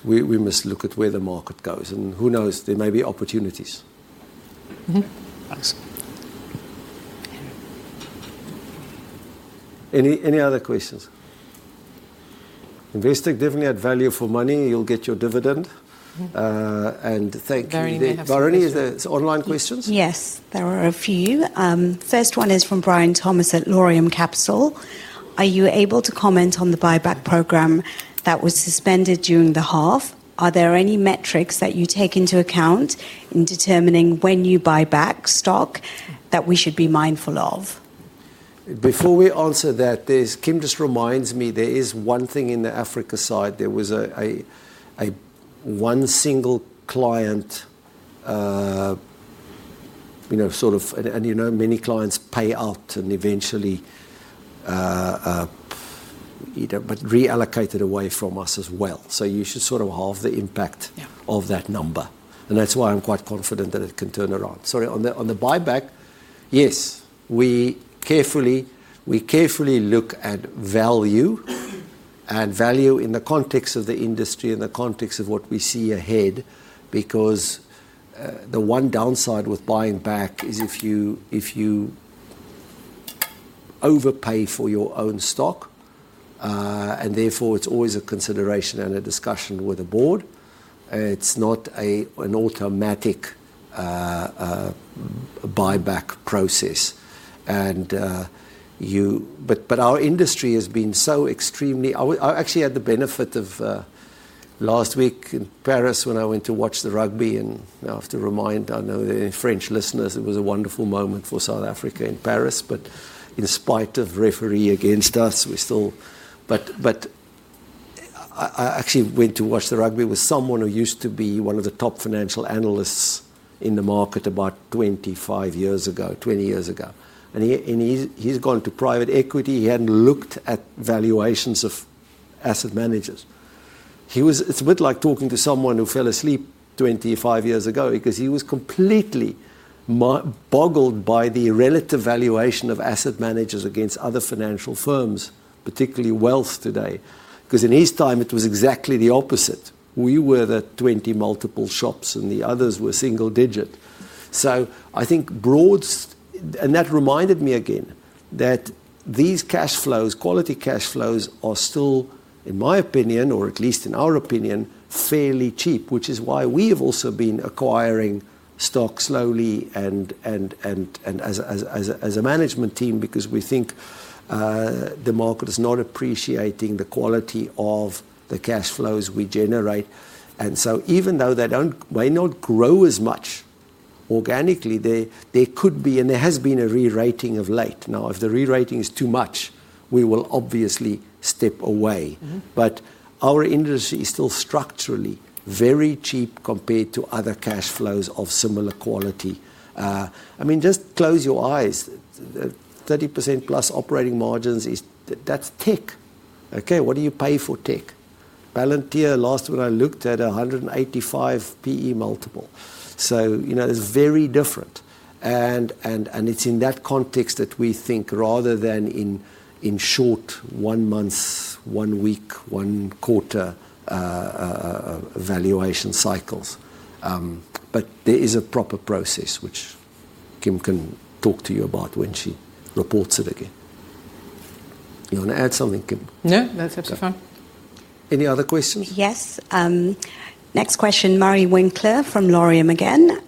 [SPEAKER 1] We must look at where the market goes. Who knows? There may be opportunities. Any other questions? Investec definitely had value for money. You'll get your dividend. Thank you. Varuni, there are online questions?
[SPEAKER 6] Yes, there are a few. First one is from Brian Thomas at Laurium Capital. Are you able to comment on the buyback program that was suspended during the half? Are there any metrics that you take into account in determining when you buy back stock that we should be mindful of?
[SPEAKER 1] Before we answer that, Kim just reminds me there is one thing in the Africa side. There was one single client sort of, and many clients pay out and eventually reallocate it away from us as well. You should sort of halve the impact of that number. That is why I'm quite confident that it can turn around. Sorry, on the buyback, yes, we carefully look at value and value in the context of the industry and the context of what we see ahead because the one downside with buying back is if you overpay for your own stock. Therefore, it's always a consideration and a discussion with the board. It's not an automatic buyback process. Our industry has been so extremely I actually had the benefit of last week in Paris when I went to watch the rugby. I have to remind, I know the French listeners, it was a wonderful moment for South Africa in Paris. In spite of referee against us, we still, but I actually went to watch the rugby with someone who used to be one of the top financial analysts in the market about 25 years, 20 years ago. He has gone to private equity. He had not looked at valuations of asset managers. It is a bit like talking to someone who fell asleep 25 years ago because he was completely boggled by the relative valuation of asset managers against other financial firms, particularly wealth today. In his time, it was exactly the opposite. We were the 20 multiple shops and the others were single digit. I think broad and that reminded me again that these cash flows, quality cash flows are still, in my opinion, or at least in our opinion, fairly cheap, which is why we have also been acquiring stock slowly and as a management team because we think the market is not appreciating the quality of the cash flows we generate. Even though they may not grow as much organically, there could be and there has been a rewriting of late. If the rewriting is too much, we will obviously step away. Our industry is still structurally very cheap compared to other cash flows of similar quality. I mean, just close your eyes. 30%+ operating margins, that is tech. Okay, what do you pay for tech? Palantir, last when I looked, had a 185 PE multiple. It is very different. It is in that context that we think rather than in short one month, one week, one quarter valuation cycles. There is a proper process, which Kim can talk to you about when she reports it again. You want to add something, Kim?
[SPEAKER 2] No, that is absolutely fine.
[SPEAKER 1] Any other questions?
[SPEAKER 6] Yes. Next question, Murray Winckler from Laurium again.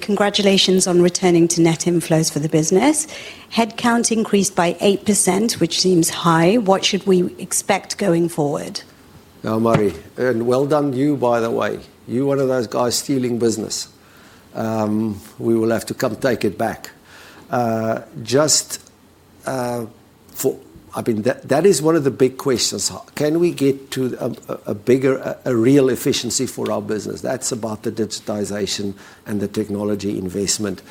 [SPEAKER 6] Congratulations on returning to net inflows for the business. Headcount increased by 8%, which seems high. What should we expect going forward?
[SPEAKER 1] Murray, and well done you, by the way. You are one of those guys stealing business. We will have to come take it back. That is one of the big questions. Can we get to a bigger, a real efficiency for our business? That is about the digitization and the technology investment.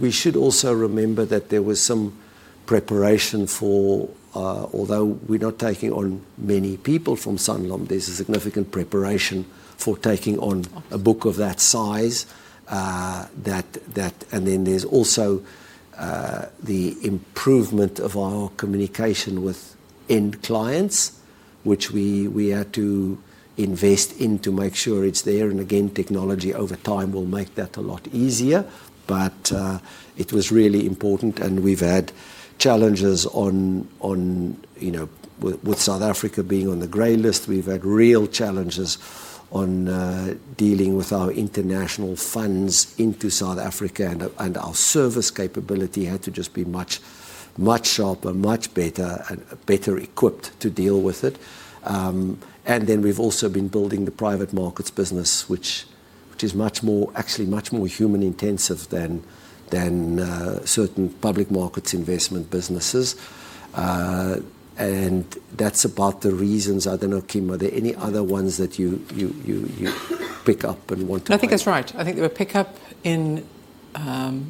[SPEAKER 1] We should also remember that there was some preparation for, although we're not taking on many people from Sanlam, there's a significant preparation for taking on a book of that size. There is also the improvement of our communication with end clients, which we had to invest in to make sure it's there. Technology over time will make that a lot easier. It was really important. We've had challenges with South Africa being on the gray list. We've had real challenges on dealing with our international funds into South Africa. Our service capability had to just be much, much sharper, much better, better equipped to deal with it. We've also been building the private markets business, which is actually much more human-intensive than certain public markets investment businesses. That's about the reasons. I do not know, Kim, are there any other ones that you pick up and want to?
[SPEAKER 2] I think that is right. I think we pick up a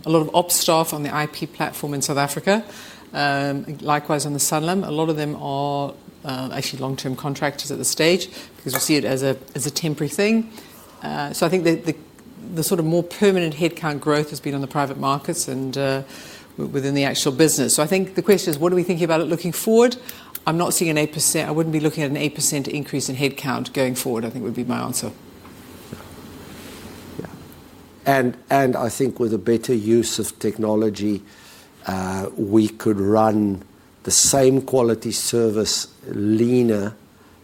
[SPEAKER 2] lot of ops staff on the IP platform in South Africa. Likewise, on the Sanlam, a lot of them are actually long-term contractors at this stage because we see it as a temporary thing. I think the sort of more permanent headcount growth has been on the private markets and within the actual business. I think the question is, what are we thinking about it looking forward? I am not seeing an 8%. I would not be looking at an 8% increase in headcount going forward, I think would be my answer.
[SPEAKER 1] Yeah. I think with a better use of technology, we could run the same quality service leaner.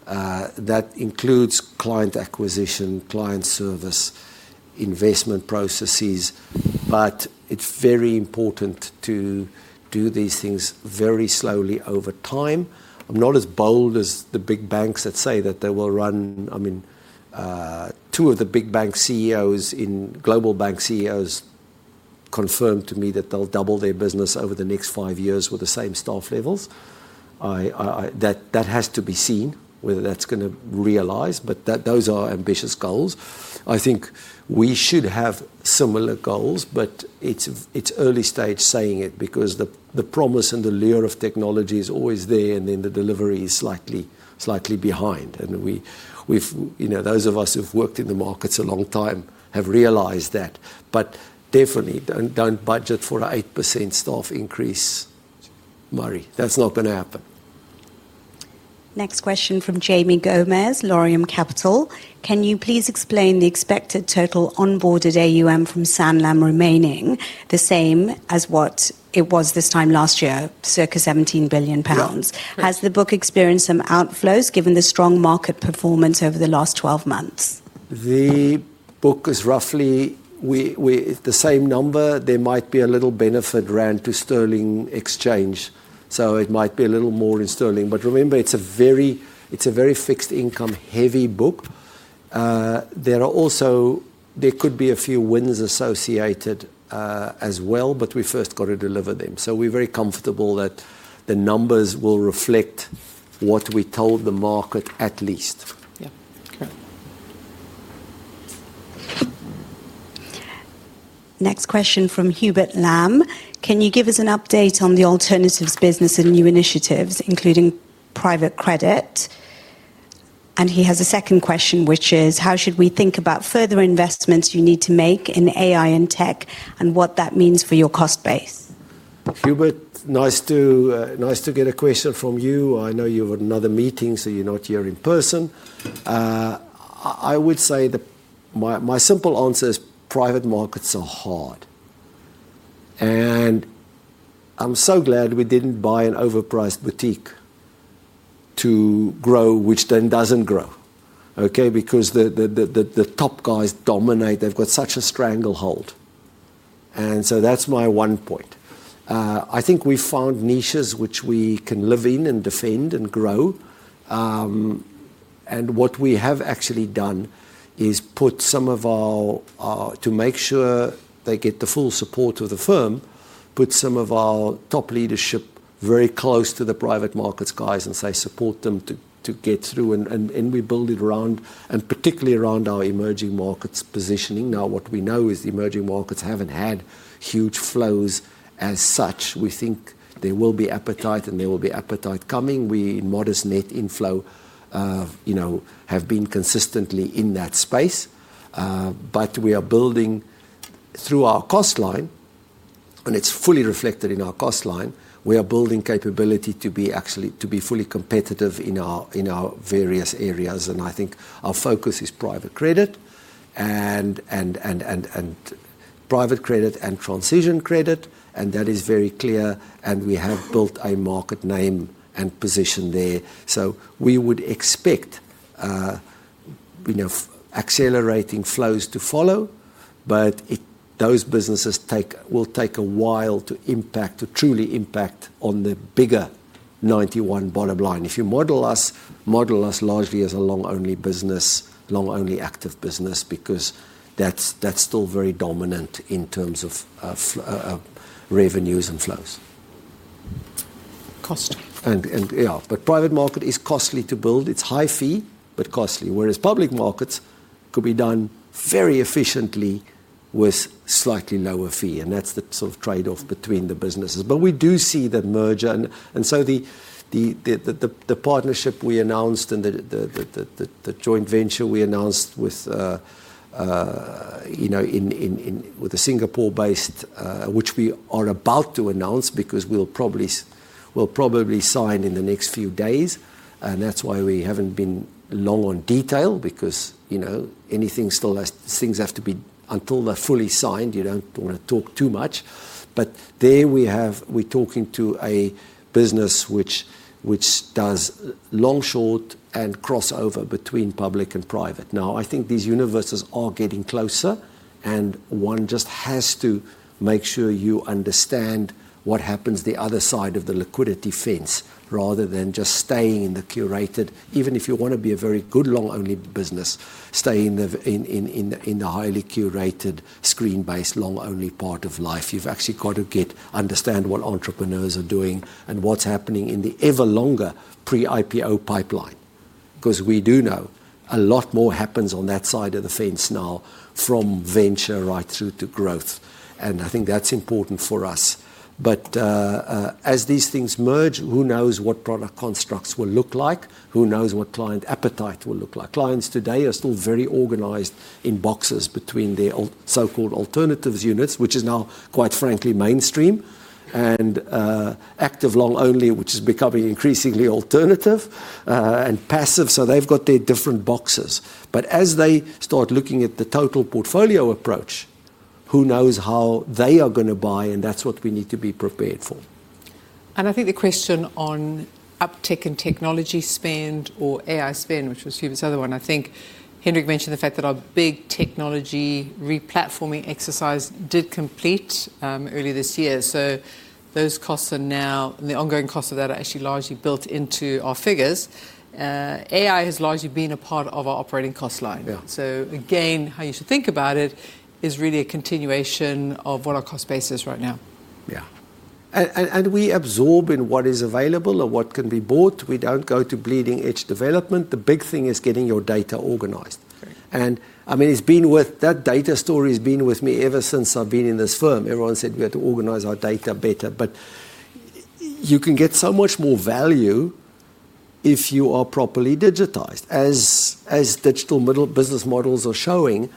[SPEAKER 1] That includes client acquisition, client service, investment processes. It is very important to do these things very slowly over time. I'm not as bold as the big banks that say that they will run. I mean, two of the big bank CEOs, global bank CEOs, confirmed to me that they'll double their business over the next five years with the same staff levels. That has to be seen whether that's going to realize, but those are ambitious goals. I think we should have similar goals, but it's early stage saying it because the promise and the lure of technology is always there, and then the delivery is slightly behind. Those of us who've worked in the markets a long time have realized that. Definitely, don't budget for an 8% staff increase, Murray. That's not going to happen.
[SPEAKER 6] Next question from Jaimé Gomes, Laurium Capital. Can you please explain the expected total onboarded AUM from Sanlam remaining the same as what it was this time last year, circa 17 billion pounds? Has the book experienced some outflows given the strong market performance over the last 12 months?
[SPEAKER 1] The book is roughly the same number. There might be a little benefit run to sterling exchange. It might be a little more in sterling. Remember, it's a very fixed income heavy book. There could be a few wins associated as well, but we first got to deliver them. We are very comfortable that the numbers will reflect what we told the market at least.
[SPEAKER 2] Yeah. Correct.
[SPEAKER 6] Next question from Hubert Lam. Can you give us an update on the alternatives business and new initiatives, including private credit? He has a second question, which is, how should we think about further investments you need to make in AI and tech and what that means for your cost base?
[SPEAKER 1] Hubert, nice to get a question from you. I know you have another meeting, so you're not here in person. I would say my simple answer is private markets are hard. I am so glad we did not buy an overpriced boutique to grow, which then does not grow. Okay, because the top guys dominate. They have got such a stranglehold. That is my one point. I think we found niches which we can live in and defend and grow. What we have actually done is put some of our, to make sure they get the full support of the firm, put some of our top leadership very close to the private markets guys and say, support them to get through. We build it around, and particularly around our emerging markets positioning. What we know is the emerging markets have not had huge flows as such. We think there will be appetite, and there will be appetite coming. We, in modest net inflow, have been consistently in that space. We are building through our cost line, and it is fully reflected in our cost line. We are building capability to be fully competitive in our various areas. I think our focus is private credit and private credit and transition credit. That is very clear. We have built a market name and position there. We would expect accelerating flows to follow. Those businesses will take a while to truly impact on the bigger Ninety One bottom line. If you model us, model us largely as a long-only business, long-only active business, because that's still very dominant in terms of revenues and flows. Cost. Yeah. Private market is costly to build. It's high fee, but costly. Whereas public markets could be done very efficiently with slightly lower fee. That's the sort of trade-off between the businesses. We do see the merger. The partnership we announced and the joint venture we announced with the Singapore-based, which we are about to announce because we'll probably sign in the next few days. That's why we haven't been long on detail because anything still has things have to be until they're fully signed, you don't want to talk too much. We are talking to a business which does long, short, and crossover between public and private. I think these universes are getting closer, and one just has to make sure you understand what happens the other side of the liquidity fence rather than just staying in the curated, even if you want to be a very good long-only business, stay in the highly curated screen-based long-only part of life. You have actually got to understand what entrepreneurs are doing and what is happening in the ever longer pre-IPO pipeline. Because we do know a lot more happens on that side of the fence now from venture right through to growth. I think that is important for us. As these things merge, who knows what product constructs will look like? Who knows what client appetite will look like? Clients today are still very organized in boxes between their so-called alternatives units, which is now, quite frankly, mainstream. Active long-only, which is becoming increasingly alternative, and passive. They have their different boxes. As they start looking at the total portfolio approach, who knows how they are going to buy, and that is what we need to be prepared for.
[SPEAKER 2] I think the question on uptick in technology spend or AI spend, which was Hubert's other one, I think Hendrik mentioned the fact that our big technology replatforming exercise did complete earlier this year. Those costs are now, the ongoing costs of that are actually largely built into our figures. AI has largely been a part of our operating cost line. How you should think about it is really a continuation of what our cost base is right now.
[SPEAKER 1] Yeah. We absorb in what is available or what can be bought. We do not go to bleeding edge development. The big thing is getting your data organized. I mean, that data story has been with me ever since I have been in this firm. Everyone said we had to organize our data better. You can get so much more value if you are properly digitized. As digital business models are showing,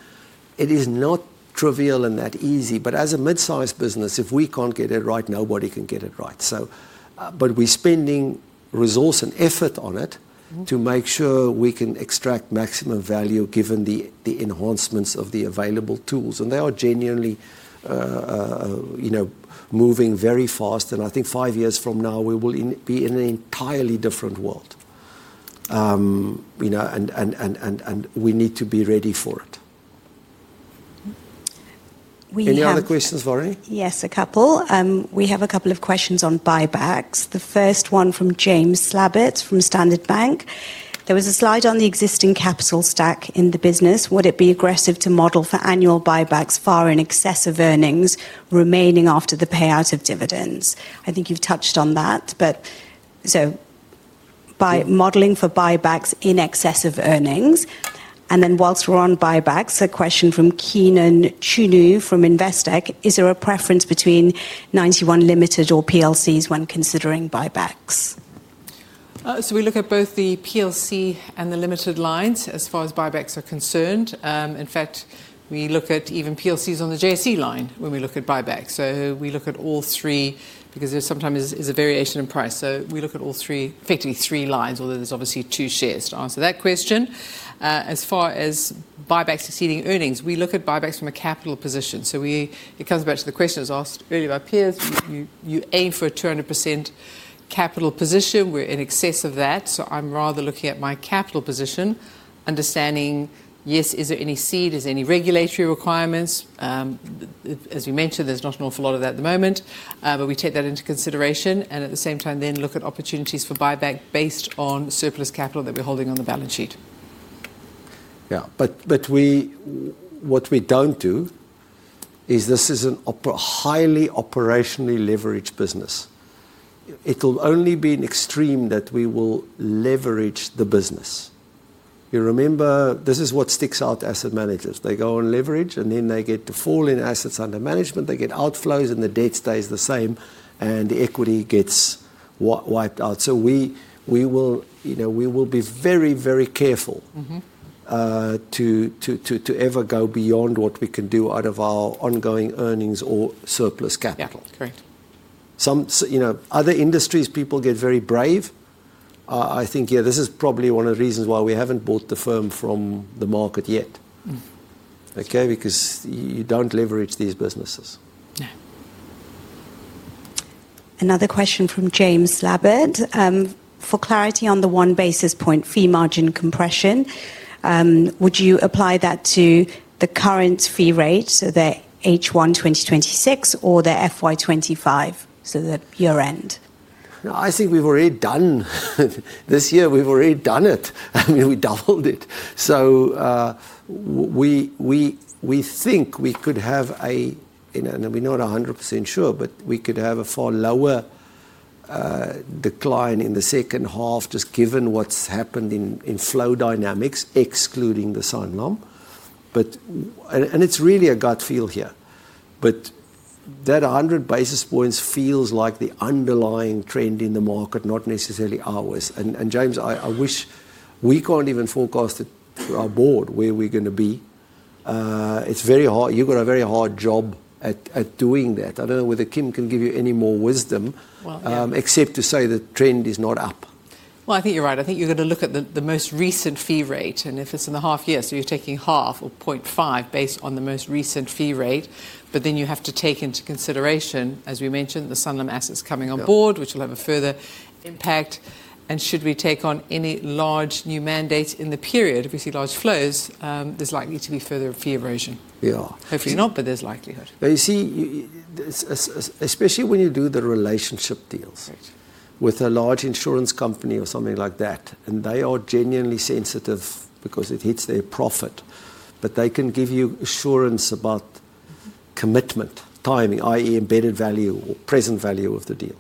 [SPEAKER 1] it is not trivial and not that easy. As a mid-sized business, if we cannot get it right, nobody can get it right. We are spending resource and effort on it to make sure we can extract maximum value given the enhancements of the available tools. They are genuinely moving very fast. I think five years from now, we will be in an entirely different world. We need to be ready for it. Any other questions, Varuni?
[SPEAKER 6] Yes, a couple. We have a couple of questions on buybacks. The first one from James Slabbert from Standard Bank. There was a slide on the existing capital stack in the business. Would it be aggressive to model for annual buybacks far in excess of earnings remaining after the payout of dividends? I think you've touched on that. By modeling for buybacks in excess of earnings. Whilst we're on buybacks, a question from Keenon Choonoo from Investec. Is there a preference between Ninety One Limited or PLCs when considering buybacks?
[SPEAKER 2] We look at both the PLC and the Limited lines as far as buybacks are concerned. In fact, we look at even PLCs on the JSE line when we look at buybacks. We look at all three because there sometimes is a variation in price. We look at all three, effectively three lines, although there are obviously two shares to answer that question. As far as buybacks exceeding earnings, we look at buybacks from a capital position. It comes back to the question that was asked earlier by Piers. You aim for a 200% capital position. We are in excess of that. I am rather looking at my capital position, understanding, yes, is there any seed, is there any regulatory requirements. As we mentioned, there is not an awful lot of that at the moment. We take that into consideration. At the same time, we look at opportunities for buyback based on surplus capital that we are holding on the balance sheet.
[SPEAKER 1] What we do not do is this is a highly operationally leveraged business. It'll only be an extreme that we will leverage the business. You remember, this is what sticks out asset managers. They go on leverage, and then they get to fall in assets under management. They get outflows, and the debt stays the same, and the equity gets wiped out. So we will be very, very careful to ever go beyond what we can do out of our ongoing earnings or surplus capital.
[SPEAKER 2] Correct.
[SPEAKER 1] Other industries, people get very brave. I think, yeah, this is probably one of the reasons why we haven't bought the firm from the market yet. Okay, because you don't leverage these businesses.
[SPEAKER 2] Yeah.
[SPEAKER 6] Another question from James Slabbert. For clarity on the 1 basis point fee margin compression, would you apply that to the current fee rate, so the H1 2026 or the FY 2025, so the year-end?
[SPEAKER 1] I think we've already done this year. We've already done it. I mean, we doubled it. So we think we could have a, and we're not 100% sure, but we could have a far lower decline in the second half, just given what's happened in flow dynamics, excluding the Sanlam. And it's really a gut feel here. But that 100 basis points feels like the underlying trend in the market, not necessarily ours. James, I wish we can't even forecast it to our board where we're going to be. It's very hard. You've got a very hard job at doing that. I don't know whether Kim can give you any more wisdom except to say the trend is not up.
[SPEAKER 2] I think you're right. I think you're going to look at the most recent fee rate. If it is in the half year, you are taking half or 0.5 based on the most recent fee rate. You have to take into consideration, as we mentioned, the Sanlam assets coming on board, which will have a further impact. Should we take on any large new mandates in the period, if we see large flows, there is likely to be further fee erosion. Hopefully not, but there is likelihood.
[SPEAKER 1] You see, especially when you do the relationship deals with a large insurance company or something like that, and they are genuinely sensitive because it hits their profit, but they can give you assurance about commitment, timing, i.e., embedded value or present value of the deal.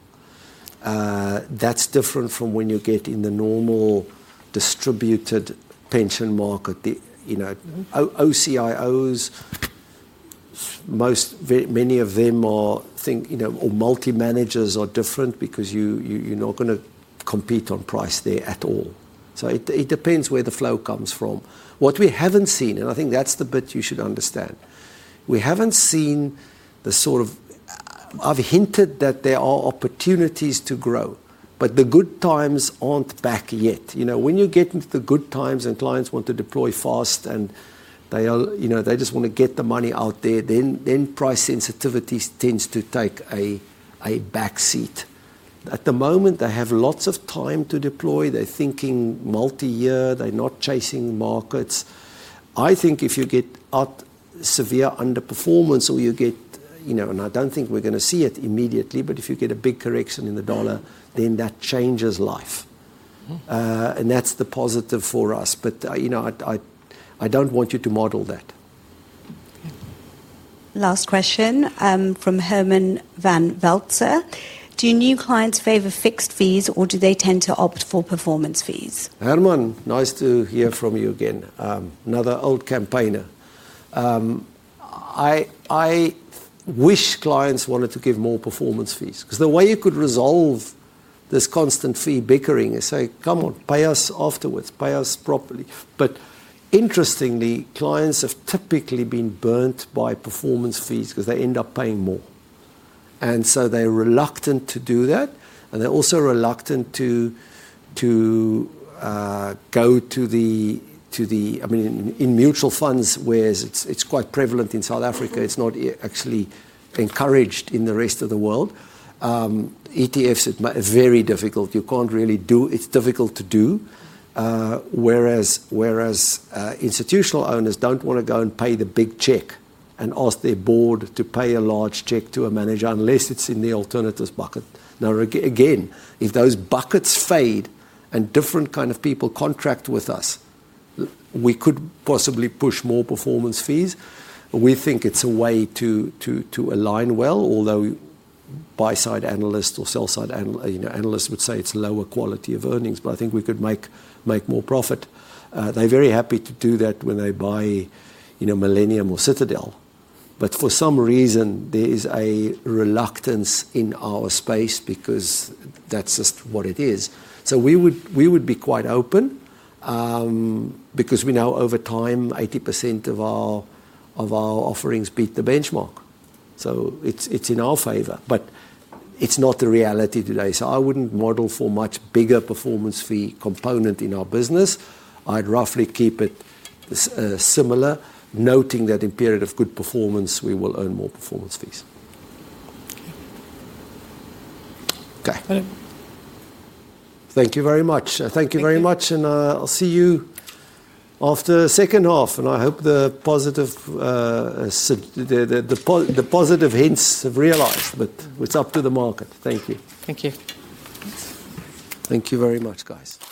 [SPEAKER 1] That is different from when you get in the normal distributed pension market. OCIOs, many of them are, I think, or multi-managers are different because you're not going to compete on price there at all. It depends where the flow comes from. What we haven't seen, and I think that's the bit you should understand, we haven't seen the sort of, I've hinted that there are opportunities to grow, but the good times aren't back yet. When you get into the good times and clients want to deploy fast and they just want to get the money out there, then price sensitivity tends to take a back seat. At the moment, they have lots of time to deploy. They're thinking multi-year. They're not chasing markets. I think if you get severe underperformance or you get, and I don't think we're going to see it immediately, but if you get a big correction in the dollar, then that changes life. That's the positive for us. I don't want you to model that.
[SPEAKER 6] Last question from Herman van Veltzer. Do new clients favor fixed fees, or do they tend to opt for performance fees?
[SPEAKER 1] Herman, nice to hear from you again. Another old campaigner. I wish clients wanted to give more performance fees because the way you could resolve this constant fee bickering is say, "Come on, pay us afterwards. Pay us properly." Interestingly, clients have typically been burnt by performance fees because they end up paying more. They're reluctant to do that. They're also reluctant to go to the, I mean, in mutual funds, whereas it's quite prevalent in South Africa, it's not actually encouraged in the rest of the world. ETFs, it's very difficult. You can't really do, it's difficult to do. Whereas institutional owners do not want to go and pay the big check and ask their board to pay a large check to a manager unless it is in the alternatives bucket. Now, again, if those buckets fade and different kind of people contract with us, we could possibly push more performance fees. We think it is a way to align well, although buy-side analysts or sell-side analysts would say it is lower quality of earnings, but I think we could make more profit. They are very happy to do that when they buy Millennium or Citadel. For some reason, there is a reluctance in our space because that is just what it is. We would be quite open because we know over time, 80% of our offerings beat the benchmark. It is in our favor, but it is not the reality today. I would not model for a much bigger performance fee component in our business. I would roughly keep it similar, noting that in a period of good performance, we will earn more performance fees. Okay.
[SPEAKER 2] Got it.
[SPEAKER 1] Thank you very much. Thank you very much. I will see you after the second half. I hope the positive hints have realized, but it is up to the market. Thank you.
[SPEAKER 2] Thank you.
[SPEAKER 1] Thank you very much, guys.